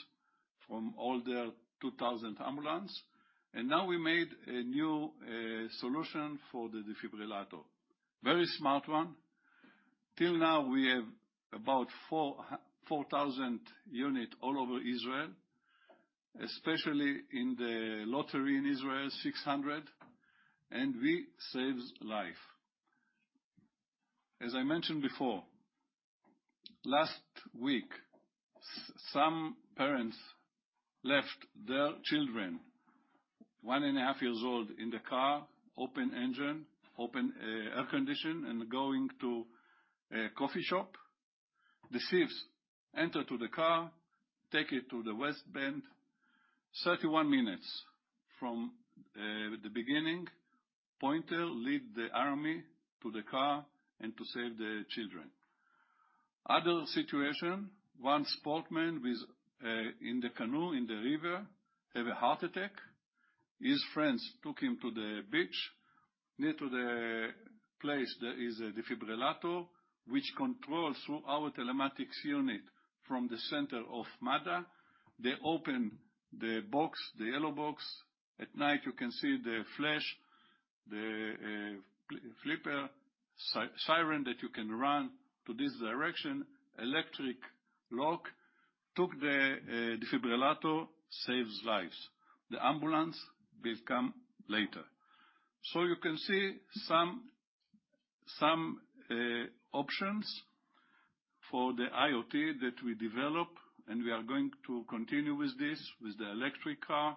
from all their 2,000 ambulances. Now we made a new solution for the defibrillator. Very smart one. Till now, we have about 4,000 units all over Israel, especially in the luxury in Israel, 600, and we save lives. As I mentioned before, last week, some parents left their children, 1.5 years old, in the car, open engine, open air conditioning, and going to a coffee shop. The thieves enter to the car, take it to the West Bank. 31 minutes from the beginning, Pointer lead the army to the car and to save the children. Other situation, one sportsman in the canoe in the river, have a heart attack. His friends took him to the beach. Near to the place, there is a defibrillator which controls through our telematics unit from the center of MDA. They open the box, the yellow box. At night, you can see the flash, the flicker, siren that you can run to this direction. Electric lock. Took the defibrillator, saves lives. The ambulance will come later. You can see some options for the IoT that we develop, and we are going to continue with this, with the electric car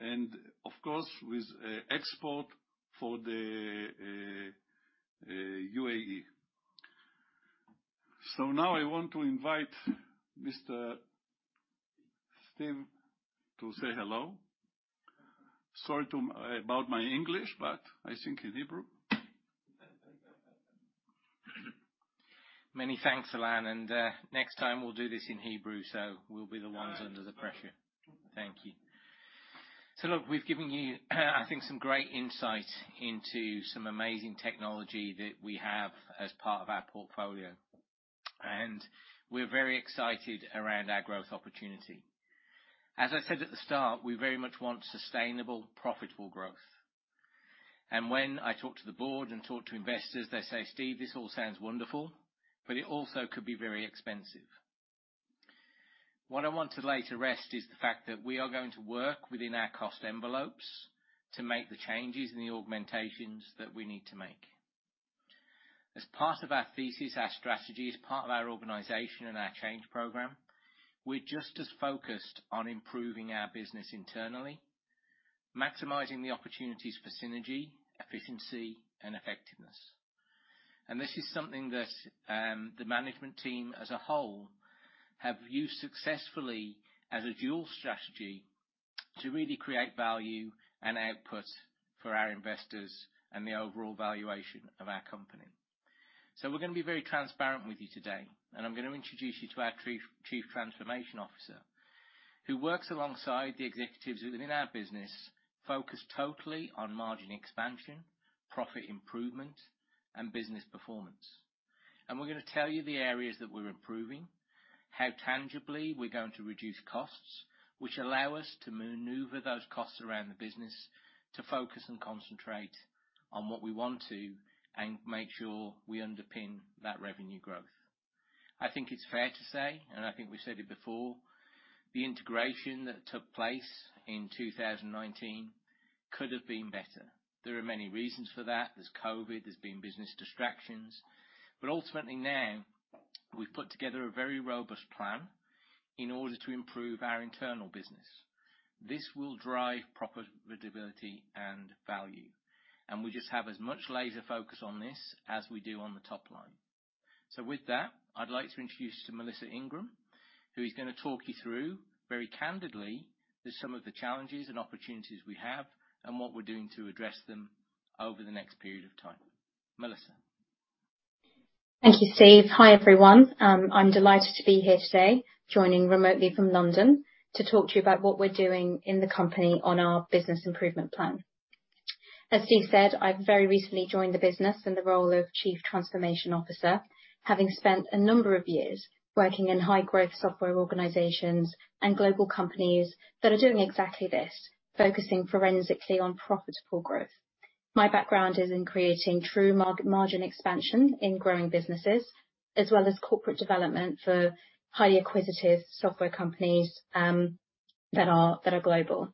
and of course, with export for the U.A.E. Now I want to invite Mr. Steve to say hello. Sorry about my English, but I think in Hebrew. Many thanks, Ilan, and next time we'll do this in Hebrew, so we'll be the ones under the pressure. Thank you. Look, we've given you, I think some great insight into some amazing technology that we have as part of our portfolio, and we're very excited around our growth opportunity. As I said at the start, we very much want sustainable, profitable growth. When I talk to the board and talk to investors, they say, "Steve, this all sounds wonderful, but it also could be very expensive." What I want to lay to rest is the fact that we are going to work within our cost envelopes to make the changes and the augmentations that we need to make. As part of our thesis, our strategy, as part of our organization and our change program, we're just as focused on improving our business internally, maximizing the opportunities for synergy, efficiency, and effectiveness. This is something that the management team as a whole have used successfully as a dual strategy to really create value and output for our investors and the overall valuation of our company. We're gonna be very transparent with you today, and I'm gonna introduce you to our Chief Transformation Officer, who works alongside the executives within our business, focused totally on margin expansion, profit improvement, and business performance. We're gonna tell you the areas that we're improving, how tangibly we're going to reduce costs, which allow us to maneuver those costs around the business to focus and concentrate on what we want to and make sure we underpin that revenue growth. I think it's fair to say, and I think we said it before, the integration that took place in 2019 could have been better. There are many reasons for that. There's COVID, there's been business distractions. Ultimately now, we've put together a very robust plan in order to improve our internal business. This will drive profitability and value, and we just have as much laser focus on this as we do on the top line. With that, I'd like to introduce you to Melissa Ingram, who is gonna talk you through, very candidly, some of the challenges and opportunities we have and what we're doing to address them over the next period of time. Melissa. Thank you, Steve. Hi, everyone. I'm delighted to be here today, joining remotely from London to talk to you about what we're doing in the company on our business improvement plan. As Steve said, I've very recently joined the business in the role of Chief Transformation Officer, having spent a number of years working in high-growth software organizations and global companies that are doing exactly this, focusing forensically on profitable growth. My background is in creating true margin expansion in growing businesses, as well as corporate development for highly acquisitive software companies that are global.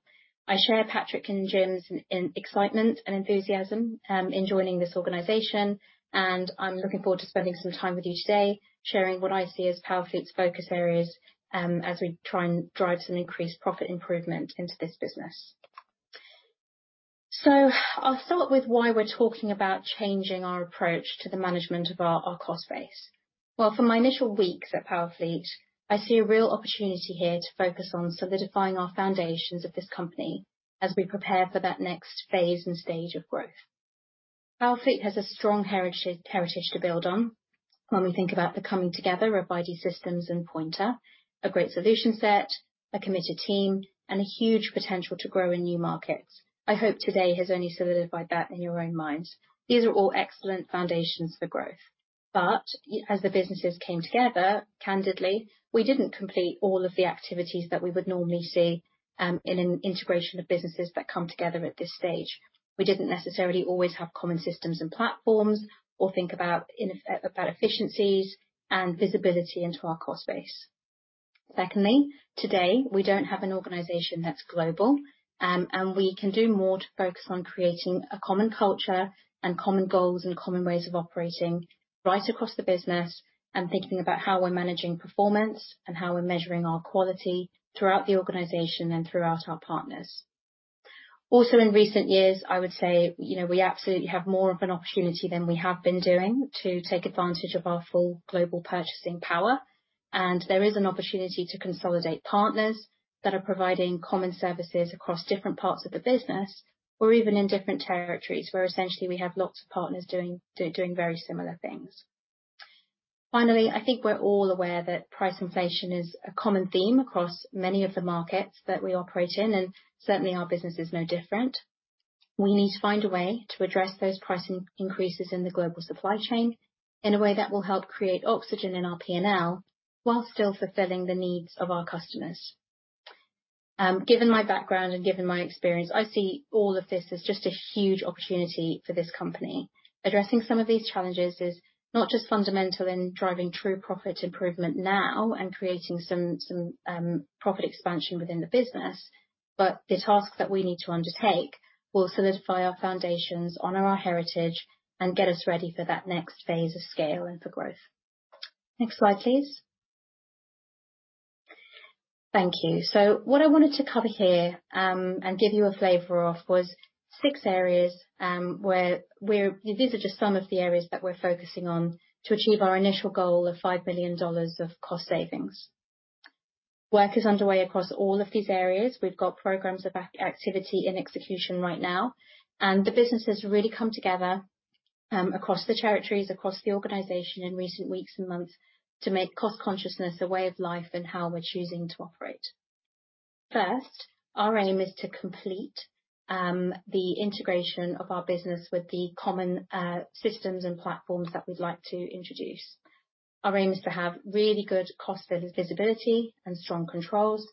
I share Patrick and Jim's in excitement and enthusiasm in joining this organization, and I'm looking forward to spending some time with you today, sharing what I see as PowerFleet's focus areas as we try and drive some increased profit improvement into this business. I'll start with why we're talking about changing our approach to the management of our cost base. Well, from my initial weeks at PowerFleet, I see a real opportunity here to focus on solidifying our foundations of this company as we prepare for that next phase and stage of growth. PowerFleet has a strong heritage to build on when we think about the coming together of I.D. Systems and Pointer, a great solution set, a committed team, and a huge potential to grow in new markets. I hope today has only solidified that in your own minds. These are all excellent foundations for growth. As the businesses came together, candidly, we didn't complete all of the activities that we would normally see in an integration of businesses that come together at this stage. We didn't necessarily always have common systems and platforms or think about efficiencies and visibility into our cost base. Secondly, today, we don't have an organization that's global, and we can do more to focus on creating a common culture and common goals and common ways of operating right across the business and thinking about how we're managing performance and how we're measuring our quality throughout the organization and throughout our partners. Also, in recent years, I would say, you know, we absolutely have more of an opportunity than we have been doing to take advantage of our full global purchasing power, and there is an opportunity to consolidate partners that are providing common services across different parts of the business or even in different territories, where essentially we have lots of partners doing very similar things. Finally, I think we're all aware that price inflation is a common theme across many of the markets that we operate in, and certainly our business is no different. We need to find a way to address those pricing increases in the global supply chain in a way that will help create oxygen in our P&L while still fulfilling the needs of our customers. Given my background and given my experience, I see all of this as just a huge opportunity for this company. Addressing some of these challenges is not just fundamental in driving true profit improvement now and creating some profit expansion within the business, but the task that we need to undertake will solidify our foundations, honor our heritage, and get us ready for that next phase of scale and for growth. Next slide, please. Thank you. What I wanted to cover here and give you a flavor of was six areas. These are just some of the areas that we're focusing on to achieve our initial goal of $5 million of cost savings. Work is underway across all of these areas. We've got programs of activity in execution right now, and the business has really come together across the territories, across the organization in recent weeks and months to make cost consciousness a way of life and how we're choosing to operate. First, our aim is to complete the integration of our business with the common systems and platforms that we'd like to introduce. Our aim is to have really good cost visibility and strong controls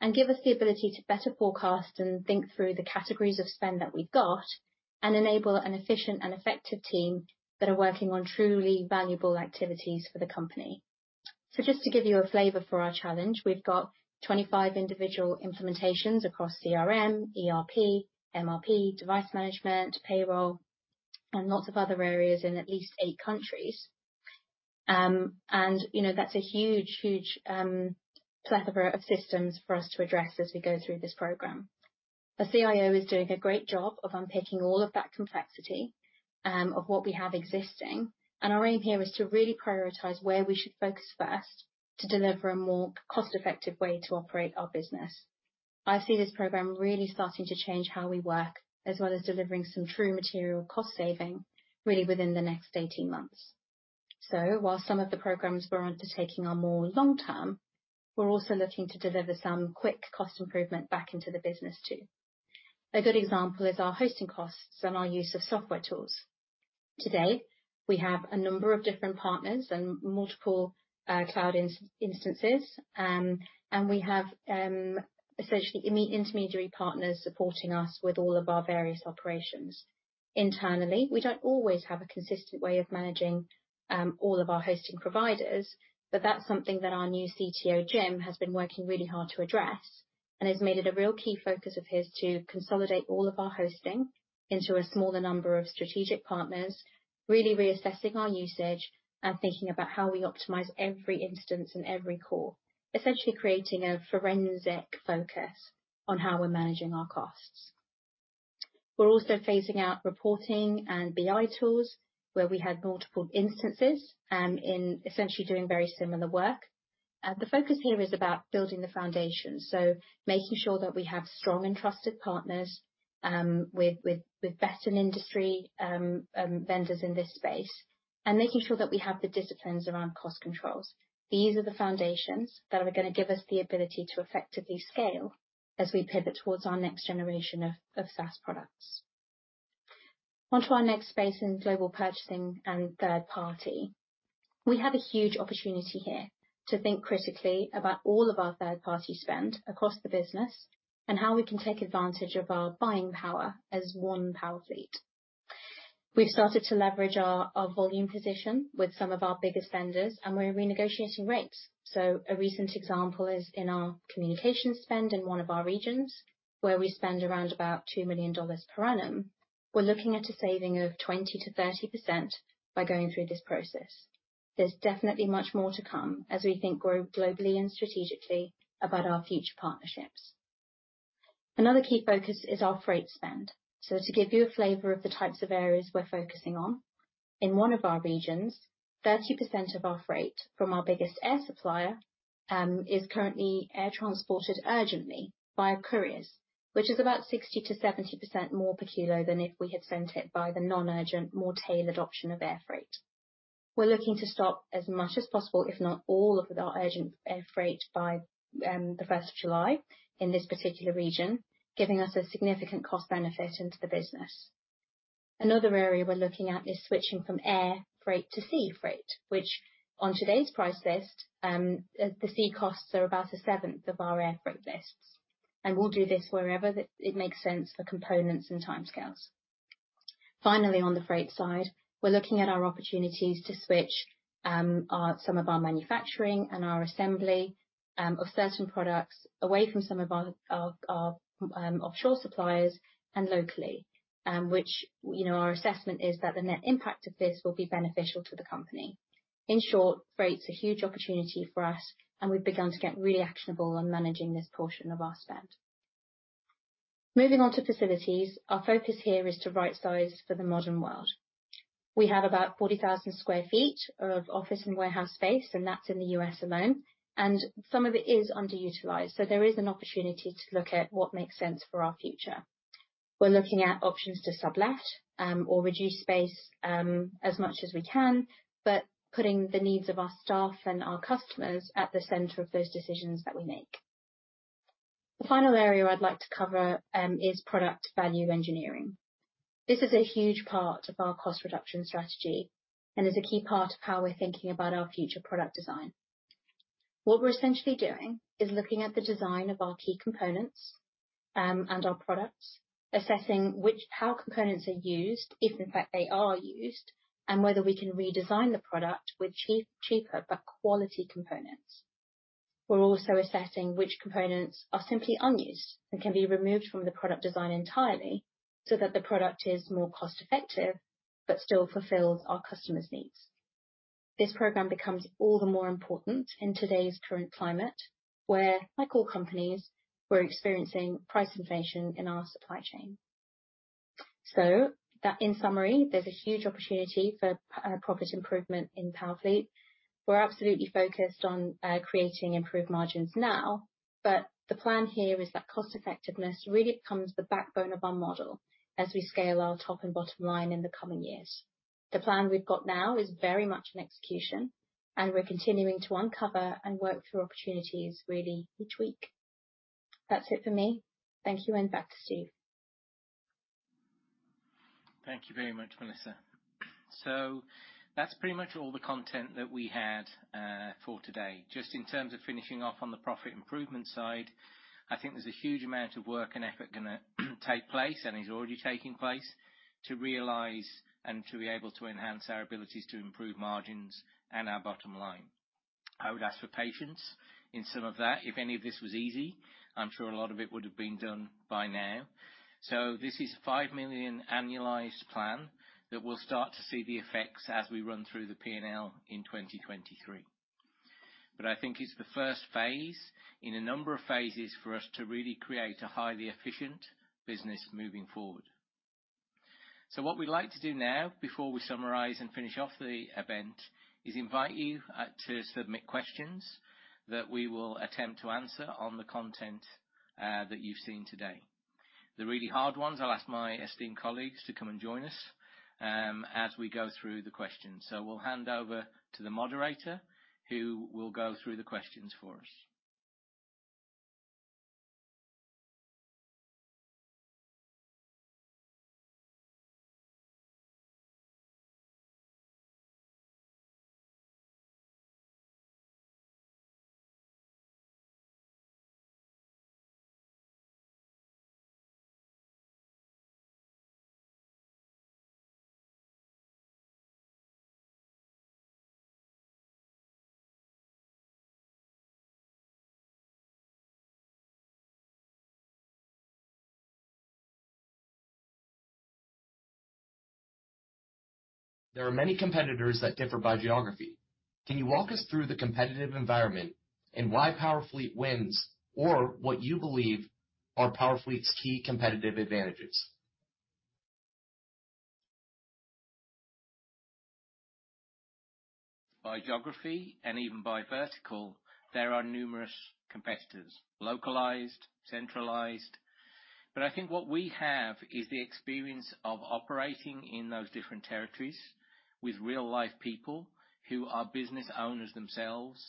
and give us the ability to better forecast and think through the categories of spend that we've got and enable an efficient and effective team that are working on truly valuable activities for the company. Just to give you a flavor for our challenge, we've got 25 individual implementations across CRM, ERP, MRP, device management, payroll, and lots of other areas in at least eight countries. You know, that's a huge plethora of systems for us to address as we go through this program. The CIO is doing a great job of unpicking all of that complexity, of what we have existing, and our aim here is to really prioritize where we should focus first to deliver a more cost-effective way to operate our business. I see this program really starting to change how we work, as well as delivering some true material cost saving really within the next 18 months. While some of the programs we're undertaking are more long-term, we're also looking to deliver some quick cost improvement back into the business too. A good example is our hosting costs and our use of software tools. Today, we have a number of different partners and multiple cloud instances, and we have essentially intermediary partners supporting us with all of our various operations. Internally, we don't always have a consistent way of managing all of our hosting providers, but that's something that our new CTO, Jim, has been working really hard to address and has made it a real key focus of his to consolidate all of our hosting into a smaller number of strategic partners, really reassessing our usage and thinking about how we optimize every instance and every core, essentially creating a forensic focus on how we're managing our costs. We're also phasing out reporting and BI tools where we had multiple instances in essentially doing very similar work. The focus here is about building the foundation, so making sure that we have strong and trusted partners with best-in-industry vendors in this space, and making sure that we have the disciplines around cost controls. These are the foundations that are gonna give us the ability to effectively scale as we pivot towards our next generation of SaaS products. On to our next space in global purchasing and third party. We have a huge opportunity here to think critically about all of our third-party spend across the business and how we can take advantage of our buying power as one PowerFleet. We've started to leverage our volume position with some of our biggest vendors, and we're renegotiating rates. A recent example is in our communication spend in one of our regions, where we spend around about $2 million per annum. We're looking at a saving of 20%-30% by going through this process. There's definitely much more to come as we think and grow globally and strategically about our future partnerships. Another key focus is our freight spend. To give you a flavor of the types of areas we're focusing on, in one of our regions, 30% of our freight from our biggest air supplier is currently air transported urgently via couriers, which is about 60%-70% more per kilo than if we had sent it by the non-urgent, more tailored option of air freight. We're looking to stop as much as possible, if not all of our urgent air freight by the 1st of July in this particular region, giving us a significant cost benefit into the business. Another area we're looking at is switching from air freight to sea freight, which on today's price list, the sea costs are about a seventh of our air freight lists, and we'll do this wherever it makes sense for components and timescales. Finally, on the freight side, we're looking at our opportunities to switch some of our manufacturing and our assembly of certain products away from some of our offshore suppliers and locally, which, you know, our assessment is that the net impact of this will be beneficial to the company. In short, freight's a huge opportunity for us, and we've begun to get really actionable on managing this portion of our spend. Moving on to facilities. Our focus here is to rightsize for the modern world. We have about 40,000 sq ft of office and warehouse space, and that's in the U.S. alone, and some of it is underutilized, so there is an opportunity to look at what makes sense for our future. We're looking at options to sublet or reduce space as much as we can, but putting the needs of our staff and our customers at the center of those decisions that we make. The final area I'd like to cover is product value engineering. This is a huge part of our cost reduction strategy and is a key part of how we're thinking about our future product design. What we're essentially doing is looking at the design of our key components and our products, assessing how components are used, if in fact they are used, and whether we can redesign the product with cheaper but quality components. We're also assessing which components are simply unused and can be removed from the product design entirely so that the product is more cost-effective but still fulfills our customers' needs. This program becomes all the more important in today's current climate, where, like all companies, we're experiencing price inflation in our supply chain. That in summary, there's a huge opportunity for profit improvement in PowerFleet. We're absolutely focused on creating improved margins now, but the plan here is that cost effectiveness really becomes the backbone of our model as we scale our top and bottom line in the coming years. The plan we've got now is very much in execution and we're continuing to uncover and work through opportunities really each week. That's it for me. Thank you, and back to Steve. Thank you very much, Melissa. That's pretty much all the content that we had for today. Just in terms of finishing off on the profit improvement side, I think there's a huge amount of work and effort gonna take place and is already taking place to realize and to be able to enhance our abilities to improve margins and our bottom line. I would ask for patience in some of that. If any of this was easy, I'm sure a lot of it would have been done by now. This is $5 million annualized plan that we'll start to see the effects as we run through the P&L in 2023. I think it's the first phase in a number of phases for us to really create a highly efficient business moving forward. What we'd like to do now, before we summarize and finish off the event, is invite you to submit questions that we will attempt to answer on the content that you've seen today. The really hard ones, I'll ask my esteemed colleagues to come and join us, as we go through the questions. We'll hand over to the moderator who will go through the questions for us. There are many competitors that differ by geography. Can you walk us through the competitive environment and why PowerFleet wins, or what you believe are PowerFleet's key competitive advantages? By geography and even by vertical, there are numerous competitors, localized, centralized. I think what we have is the experience of operating in those different territories with real-life people who are business owners themselves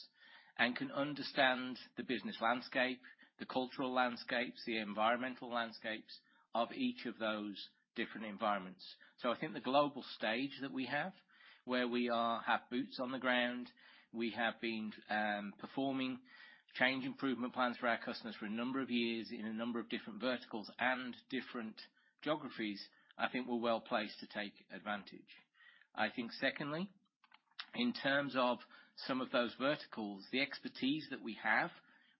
and can understand the business landscape, the cultural landscapes, the environmental landscapes of each of those different environments. I think the global stage that we have, where we are, have boots on the ground, we have been performing change improvement plans for our customers for a number of years in a number of different verticals and different geographies. I think we're well-placed to take advantage. I think secondly, in terms of some of those verticals, the expertise that we have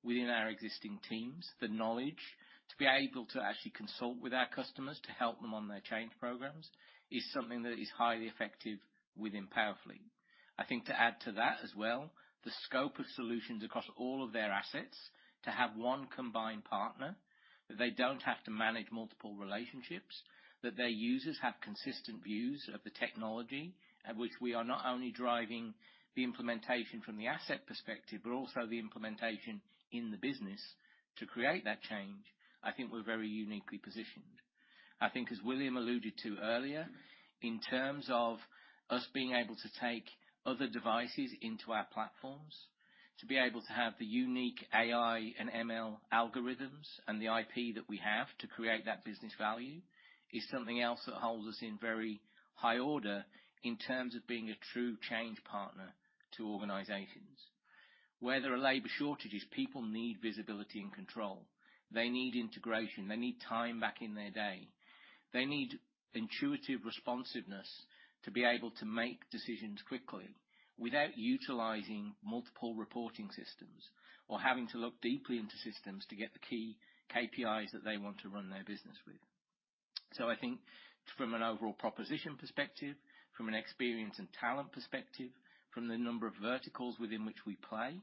within our existing teams, the knowledge to be able to actually consult with our customers to help them on their change programs, is something that is highly effective within PowerFleet. I think to add to that as well, the scope of solutions across all of their assets to have one combined partner, that they don't have to manage multiple relationships, that their users have consistent views of the technology at which we are not only driving the implementation from the asset perspective, but also the implementation in the business to create that change. I think we're very uniquely positioned. I think as William alluded to earlier, in terms of us being able to take other devices into our platforms, to be able to have the unique AI and ML algorithms and the IP that we have to create that business value is something else that holds us in very high order in terms of being a true change partner to organizations. Where there are labor shortages, people need visibility and control. They need integration. They need time back in their day. They need intuitive responsiveness to be able to make decisions quickly without utilizing multiple reporting systems or having to look deeply into systems to get the key KPIs that they want to run their business with. I think from an overall proposition perspective, from an experience and talent perspective, from the number of verticals within which we play,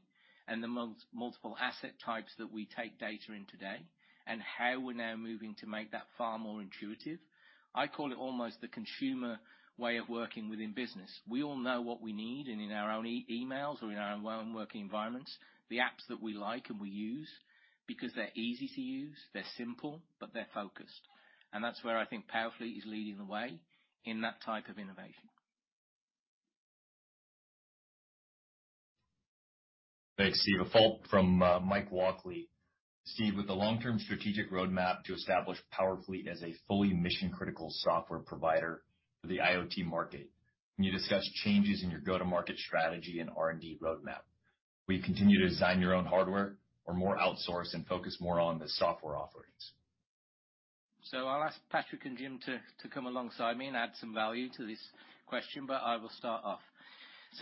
and the multiple asset types that we take data in today, and how we're now moving to make that far more intuitive, I call it almost the consumer way of working within business. We all know what we need and in our own emails or in our own working environments, the apps that we like and we use because they're easy to use, they're simple, but they're focused. That's where I think PowerFleet is leading the way in that type of innovation. Thanks, Steve. A follow-up from Michael Walkley. Steve, with the long-term strategic roadmap to establish PowerFleet as a fully mission-critical software provider for the IoT market, can you discuss changes in your go-to-market strategy and R&D roadmap? Will you continue to design your own hardware or more outsource and focus more on the software offerings? I'll ask Patrick and Jim to come alongside me and add some value to this question, but I will start off.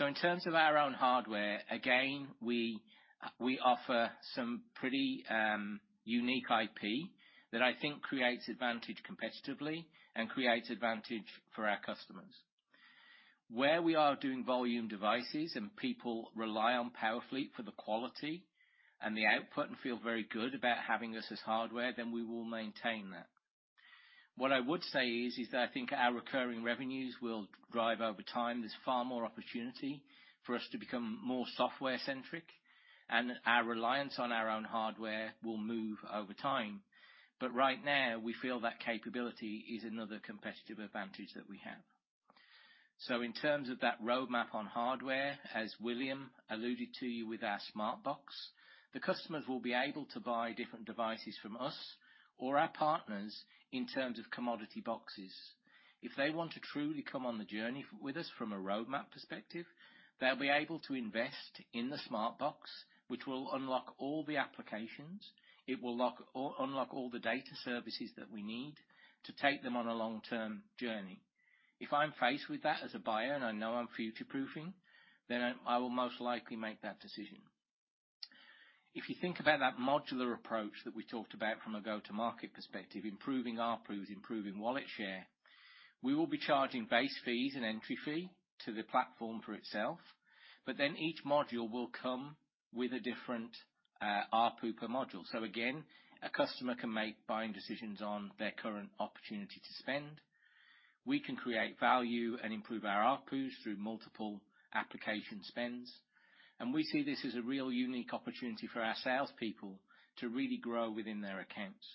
In terms of our own hardware, again, we offer some pretty unique IP that I think creates advantage competitively and creates advantage for our customers. Where we are doing volume devices and people rely on PowerFleet for the quality and the output and feel very good about having us as hardware, then we will maintain that. What I would say is that I think our recurring revenues will drive over time. There's far more opportunity for us to become more software-centric, and our reliance on our own hardware will move over time. Right now, we feel that capability is another competitive advantage that we have. In terms of that roadmap on hardware, as William alluded to you with our Smart Box, the customers will be able to buy different devices from us or our partners in terms of commodity boxes. If they want to truly come on the journey with us from a roadmap perspective, they'll be able to invest in the Smart Box, which will unlock all the applications. It will unlock all the data services that we need to take them on a long-term journey. If I'm faced with that as a buyer and I know I'm future-proofing, then I will most likely make that decision. If you think about that modular approach that we talked about from a go-to-market perspective, improving ARPU, improving wallet share, we will be charging base fees and entry fee to the platform for itself, but then each module will come with a different, ARPU per module. Again, a customer can make buying decisions on their current opportunity to spend. We can create value and improve our ARPU through multiple application spends, and we see this as a real unique opportunity for our salespeople to really grow within their accounts.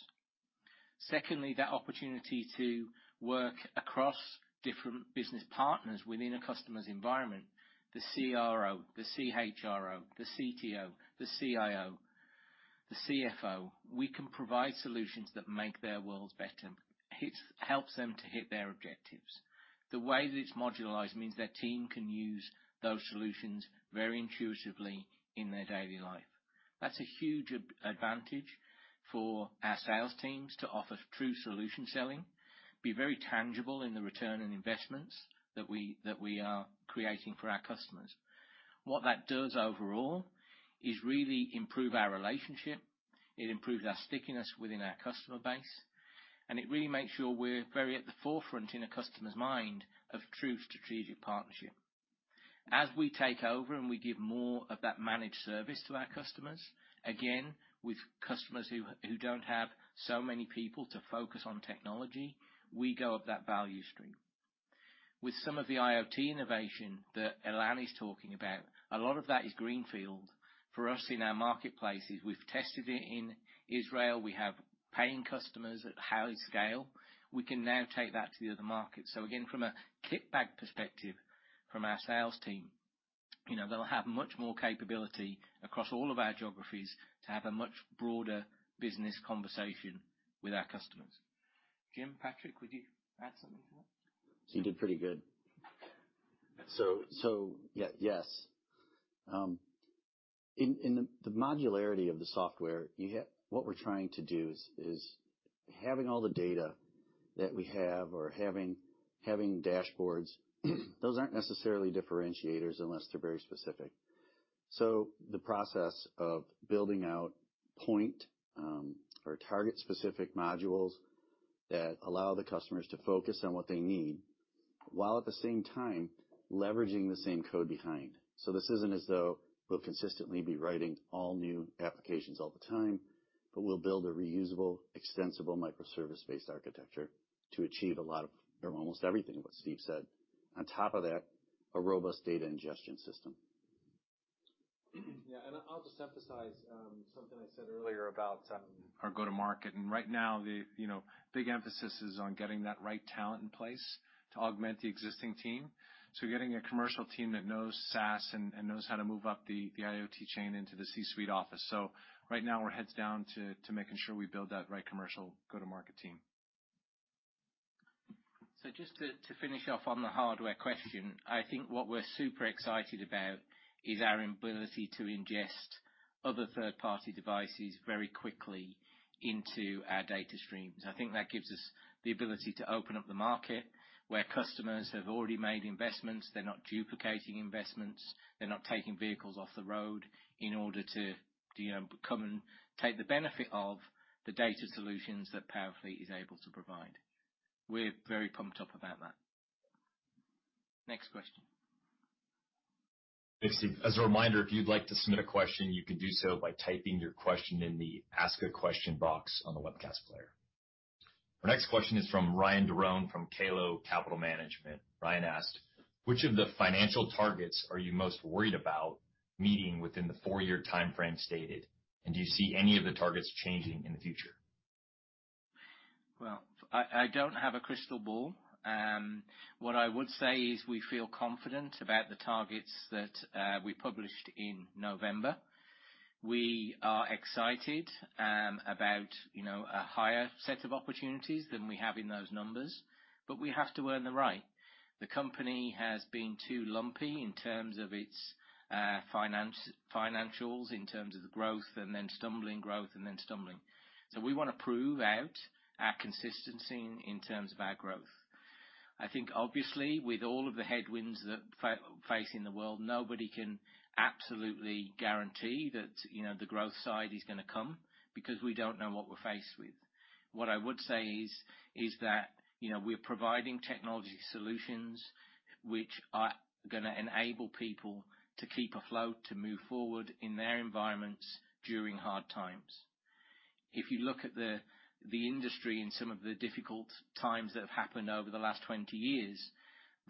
Secondly, that opportunity to work across different business partners within a customer's environment, the CRO, the CHRO, the CTO, the CIO, the CFO. We can provide solutions that make their worlds better. Helps them to hit their objectives. The way that it's modularized means their team can use those solutions very intuitively in their daily life. That's a huge advantage for our sales teams to offer true solution selling, be very tangible in the return on investments that we are creating for our customers. What that does overall is really improve our relationship, it improves our stickiness within our customer base, and it really makes sure we're very at the forefront in a customer's mind of true strategic partnership. As we take over and we give more of that managed service to our customers, again, with customers who don't have so many people to focus on technology, we go up that value stream. With some of the IoT innovation that Ilan is talking about, a lot of that is greenfield for us in our marketplaces. We've tested it in Israel. We have paying customers at high scale. We can now take that to the other markets. Again, from a kickoff perspective from our sales team, you know, they'll have much more capability across all of our geographies to have a much broader business conversation with our customers. Jim, Patrick, would you add something to that? He did pretty good. Yeah. Yes. In the modularity of the software, you have. What we're trying to do is having all the data that we have or having dashboards, those aren't necessarily differentiators unless they're very specific. The process of building out Pointer- or target-specific modules that allow the customers to focus on what they need, while at the same time leveraging the same code behind. This isn't as though we'll consistently be writing all new applications all the time, but we'll build a reusable, extensible microservice-based architecture to achieve a lot of almost everything what Steve said. On top of that, a robust data ingestion system. Yeah. I'll just emphasize something I said earlier about our go-to-market. Right now, you know, the big emphasis is on getting that right talent in place to augment the existing team. Getting a commercial team that knows SaaS and knows how to move up the IoT chain into the C-suite office. Right now we're heads down to making sure we build that right commercial go-to-market team. Just to finish off on the hardware question, I think what we're super excited about is our ability to ingest other third-party devices very quickly into our data streams. I think that gives us the ability to open up the market where customers have already made investments. They're not duplicating investments. They're not taking vehicles off the road in order to, you know, come and take the benefit of the data solutions that PowerFleet is able to provide. We're very pumped up about that. Next question. Thanks, Steve. As a reminder, if you'd like to submit a question, you can do so by typing your question in the ask a question box on the webcast player. Our next question is from Ryan Derone from Calo Capital Management. Ryan asked, "Which of the financial targets are you most worried about meeting within the four-year timeframe stated? And do you see any of the targets changing in the future? Well, I don't have a crystal ball. What I would say is we feel confident about the targets that we published in November. We are excited about, you know, a higher set of opportunities than we have in those numbers, but we have to earn the right. The company has been too lumpy in terms of its financials, in terms of the growth and then stumbling growth. We wanna prove out our consistency in terms of our growth. I think obviously with all of the headwinds that facing the world, nobody can absolutely guarantee that, you know, the growth side is gonna come because we don't know what we're faced with. What I would say is that, you know, we're providing technology solutions which are gonna enable people to keep afloat, to move forward in their environments during hard times. If you look at the industry in some of the difficult times that have happened over the last 20 years,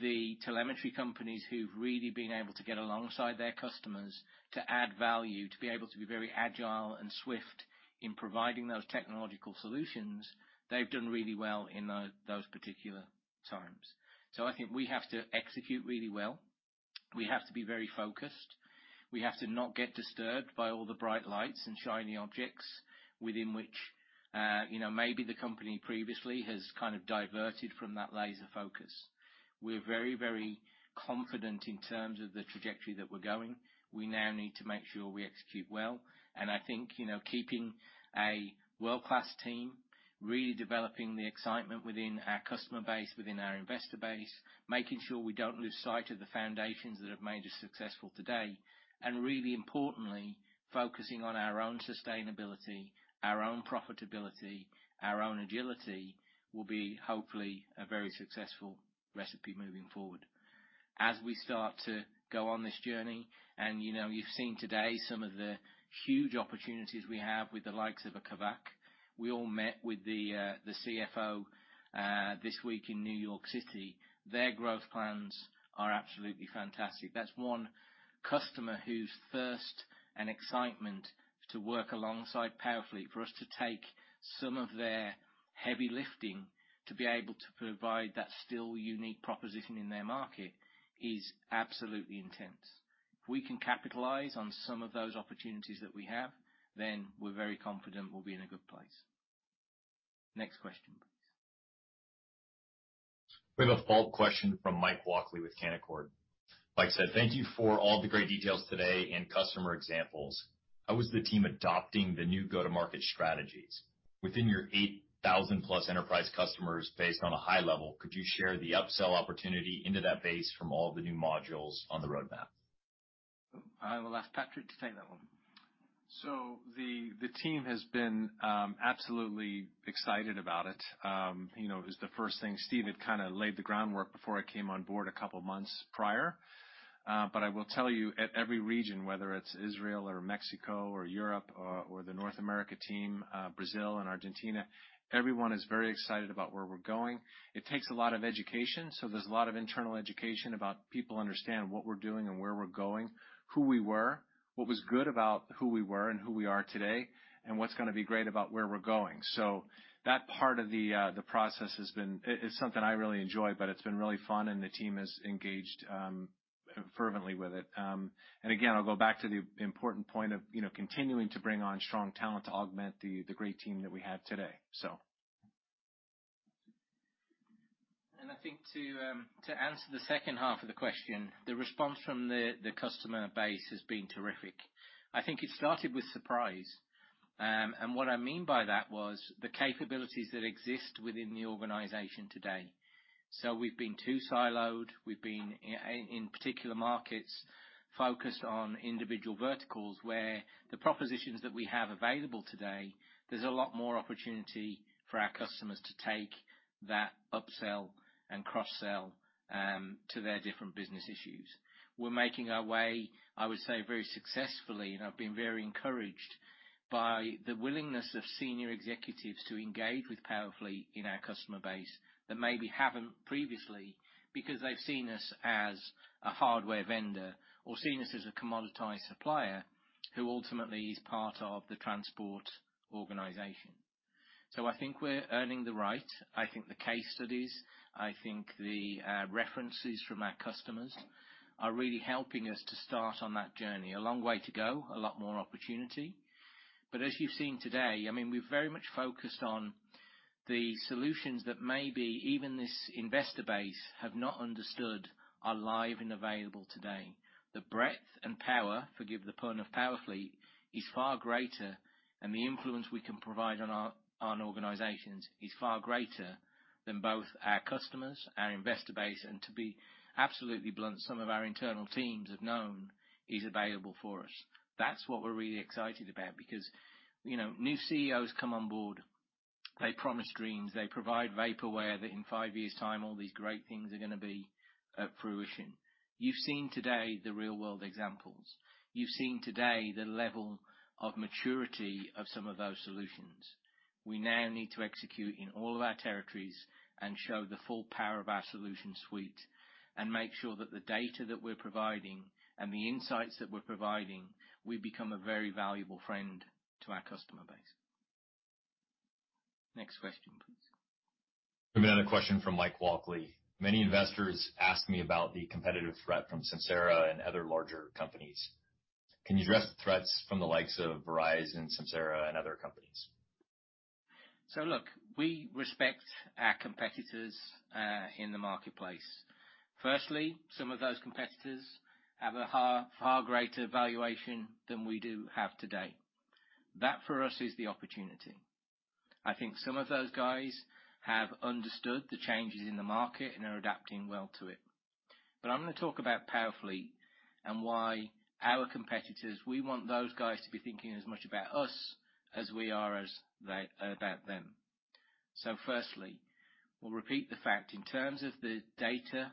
the telemetry companies who've really been able to get alongside their customers to add value, to be able to be very agile and swift in providing those technological solutions, they've done really well in those particular times. I think we have to execute really well. We have to be very focused. We have to not get disturbed by all the bright lights and shiny objects within which, you know, maybe the company previously has kind of diverted from that laser focus. We're very, very confident in terms of the trajectory that we're going. We now need to make sure we execute well. I think, you know, keeping a world-class team, really developing the excitement within our customer base, within our investor base, making sure we don't lose sight of the foundations that have made us successful today, and really importantly, focusing on our own sustainability, our own profitability, our own agility, will be, hopefully, a very successful recipe moving forward. We start to go on this journey, and you know, you've seen today some of the huge opportunities we have with the likes of a Kavak. We all met with the CFO this week in New York City. Their growth plans are absolutely fantastic. That's one customer whose thirst and excitement to work alongside PowerFleet for us to take some of their heavy lifting to be able to provide that still unique proposition in their market is absolutely intense. If we can capitalize on some of those opportunities that we have, then we're very confident we'll be in a good place. Next question, please. We have a follow-up question from Mike Walkley with Canaccord. Mike said, "Thank you for all the great details today and customer examples. How is the team adopting the new go-to-market strategies? Within your 8,000+ enterprise customers based on a high level, could you share the upsell opportunity into that base from all the new modules on the roadmap? I will ask Patrick to take that one. The team has been absolutely excited about it. You know, it's the first thing Steve had kinda laid the groundwork before I came on board a couple months prior. I will tell you at every region, whether it's Israel or Mexico or Europe or the North America team, Brazil and Argentina, everyone is very excited about where we're going. It takes a lot of education, so there's a lot of internal education about people understand what we're doing and where we're going, who we were, what was good about who we were and who we are today, and what's gonna be great about where we're going. That part of the process has been. It's something I really enjoy, but it's been really fun and the team has engaged fervently with it. Again, I'll go back to the important point of, you know, continuing to bring on strong talent to augment the great team that we have today, so. I think to answer the second half of the question, the response from the customer base has been terrific. I think it started with surprise. What I mean by that was the capabilities that exist within the organization today. We've been too siloed. We've been in particular markets focused on individual verticals, where the propositions that we have available today, there's a lot more opportunity for our customers to take that upsell and cross-sell to their different business issues. We're making our way, I would say, very successfully, and I've been very encouraged by the willingness of senior executives to engage with PowerFleet in our customer base that maybe haven't previously because they've seen us as a hardware vendor or seen us as a commoditized supplier who ultimately is part of the transport organization. I think we're earning the right. I think the case studies, the references from our customers are really helping us to start on that journey. A long way to go, a lot more opportunity. As you've seen today, I mean, we're very much focused on the solutions that maybe even this investor base have not understood are live and available today. The breadth and power, forgive the pun, of PowerFleet, is far greater, and the influence we can provide on organizations is far greater than both our customers, our investor base, and to be absolutely blunt, some of our internal teams have known is available for us. That's what we're really excited about because, you know, new CEOs come on board, they promise dreams, they provide vaporware that in five years' time, all these great things are gonna be at fruition. You've seen today the real-world examples. You've seen today the level of maturity of some of those solutions. We now need to execute in all of our territories and show the full power of our solution suite and make sure that the data that we're providing and the insights that we're providing, we become a very valuable friend to our customer base. Next question, please. We have another question from Mike Walkley. Many investors ask me about the competitive threat from Samsara and other larger companies. Can you address the threats from the likes of Verizon, Samsara and other companies? Look, we respect our competitors in the marketplace. Firstly, some of those competitors have a far, far greater valuation than we do have today. That, for us, is the opportunity. I think some of those guys have understood the changes in the market and are adapting well to it. I'm gonna talk about PowerFleet and why our competitors, we want those guys to be thinking as much about us as we are as, about them. Firstly, we'll repeat the fact in terms of the data,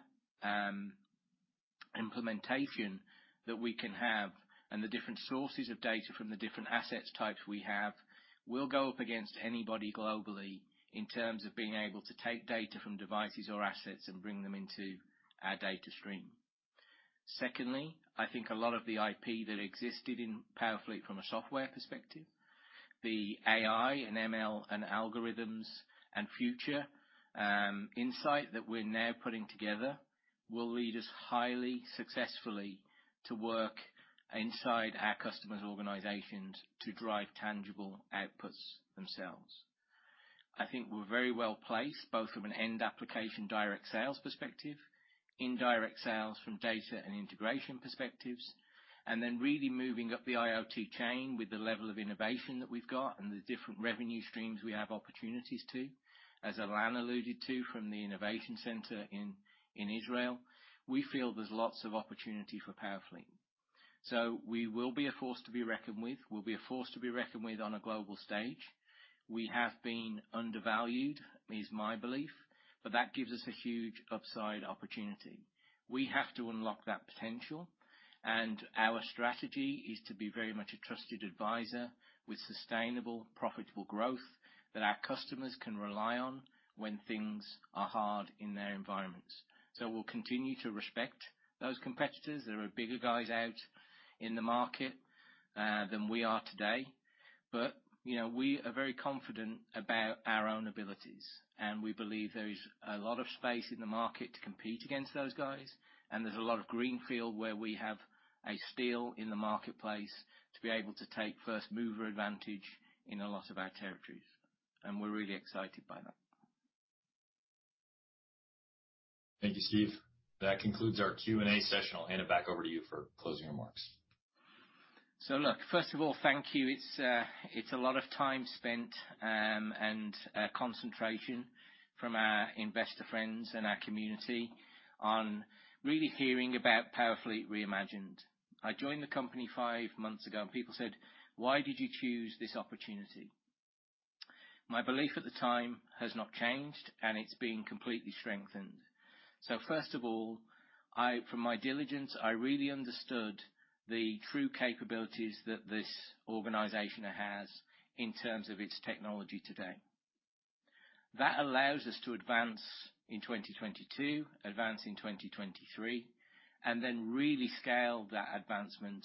implementation that we can have and the different sources of data from the different assets types we have, we'll go up against anybody globally in terms of being able to take data from devices or assets and bring them into our data stream. Secondly, I think a lot of the IP that existed in PowerFleet from a software perspective, the AI and ML and algorithms and future insight that we're now putting together will lead us highly successfully to work inside our customers' organizations to drive tangible outputs themselves. I think we're very well placed, both from an end application direct sales perspective, indirect sales from data and integration perspectives, and then really moving up the IoT chain with the level of innovation that we've got and the different revenue streams we have opportunities to. As Ilan alluded to from the innovation center in Israel, we feel there's lots of opportunity for PowerFleet. We will be a force to be reckoned with. We'll be a force to be reckoned with on a global stage. We have been undervalued, is my belief, but that gives us a huge upside opportunity. We have to unlock that potential, and our strategy is to be very much a trusted advisor with sustainable, profitable growth that our customers can rely on when things are hard in their environments. We'll continue to respect those competitors. There are bigger guys out in the market than we are today. You know, we are very confident about our own abilities, and we believe there is a lot of space in the market to compete against those guys, and there's a lot of greenfield where we have a steal in the marketplace to be able to take first mover advantage in a lot of our territories, and we're really excited by that. Thank you, Steve. That concludes our Q&A session. I'll hand it back over to you for closing remarks. First of all, thank you. It's a lot of time spent, and concentration from our investor friends and our community on really hearing about PowerFleet reimagined. I joined the company five months ago, and people said, "Why did you choose this opportunity?" My belief at the time has not changed, and it's been completely strengthened. First of all, from my diligence, I really understood the true capabilities that this organization has in terms of its technology today. That allows us to advance in 2022, advance in 2023, and then really scale that advancement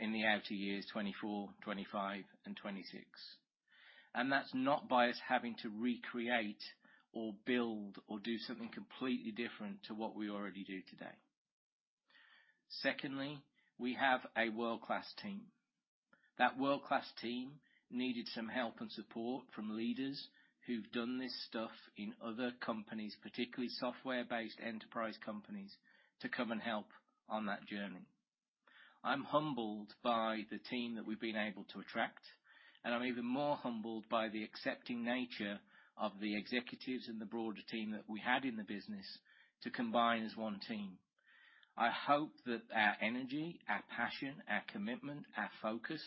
in the outer years, 2024, 2025 and 2026. That's not by us having to recreate or build or do something completely different to what we already do today. Secondly, we have a world-class team. That world-class team needed some help and support from leaders who've done this stuff in other companies, particularly software-based enterprise companies, to come and help on that journey. I'm humbled by the team that we've been able to attract, and I'm even more humbled by the accepting nature of the executives and the broader team that we had in the business to combine as one team. I hope that our energy, our passion, our commitment, our focus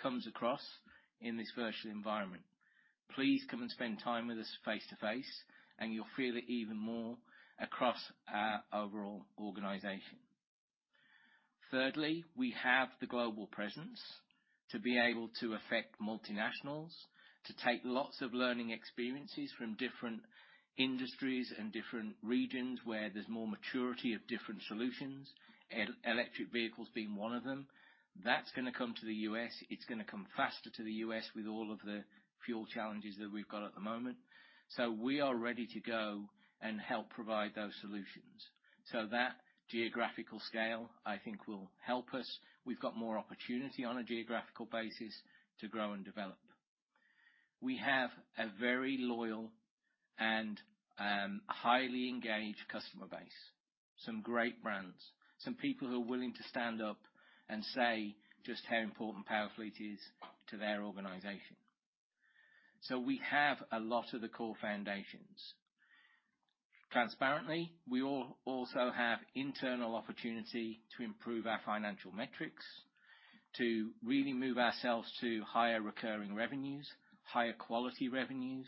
comes across in this virtual environment. Please come and spend time with us face-to-face and you'll feel it even more across our overall organization. Thirdly, we have the global presence to be able to affect multinationals, to take lots of learning experiences from different industries and different regions where there's more maturity of different solutions, electric vehicles being one of them. That's gonna come to the U.S. It's gonna come faster to the U.S. with all of the fuel challenges that we've got at the moment. We are ready to go and help provide those solutions. That geographical scale, I think, will help us. We've got more opportunity on a geographical basis to grow and develop. We have a very loyal and highly engaged customer base, some great brands, some people who are willing to stand up and say just how important PowerFleet is to their organization. We have a lot of the core foundations. Transparently, we also have internal opportunity to improve our financial metrics, to really move ourselves to higher recurring revenues, higher quality revenues,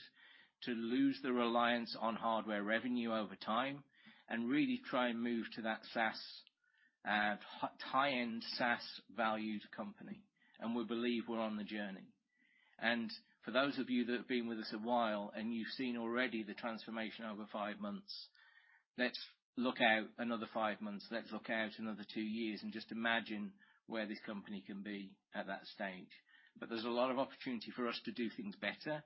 to lose the reliance on hardware revenue over time, and really try and move to that SaaS high-end SaaS valued company. We believe we're on the journey. For those of you that have been with us a while and you've seen already the transformation over five months, let's look out another five months, let's look out another two years and just imagine where this company can be at that stage. There's a lot of opportunity for us to do things better.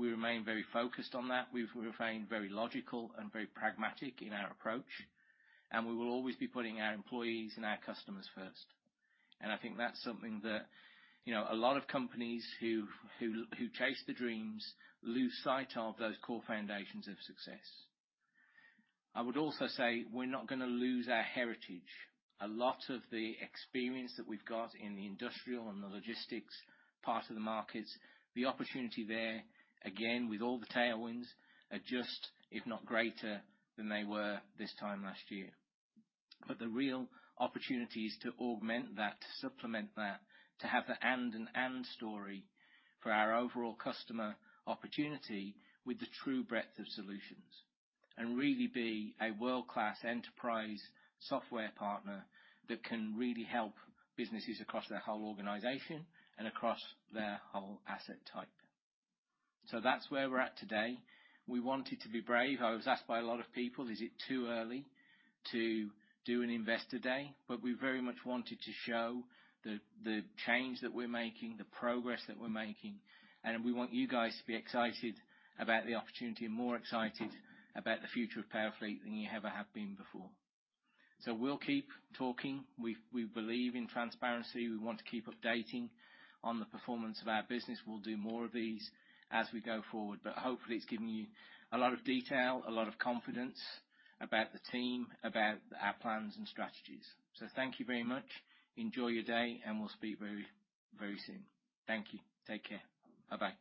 We remain very focused on that. We remain very logical and very pragmatic in our approach, and we will always be putting our employees and our customers first. I think that's something that, you know, a lot of companies who chase the dreams lose sight of those core foundations of success. I would also say we're not gonna lose our heritage. A lot of the experience that we've got in the industrial and the logistics part of the markets, the opportunity there, again, with all the tailwinds, are just, if not greater than they were this time last year. But the real opportunity is to augment that, to supplement that, to have the end-to-end story for our overall customer opportunity with the true breadth of solutions, and really be a world-class enterprise software partner that can really help businesses across their whole organization and across their whole asset type. That's where we're at today. We wanted to be brave. I was asked by a lot of people, "Is it too early to do an Investor Day?" We very much wanted to show the change that we're making, the progress that we're making, and we want you guys to be excited about the opportunity and more excited about the future of PowerFleet than you ever have been before. We'll keep talking. We believe in transparency. We want to keep updating on the performance of our business. We'll do more of these as we go forward, but hopefully it's given you a lot of detail, a lot of confidence about the team, about our plans and strategies. Thank you very much. Enjoy your day, and we'll speak very, very soon. Thank you. Take care. Bye-bye.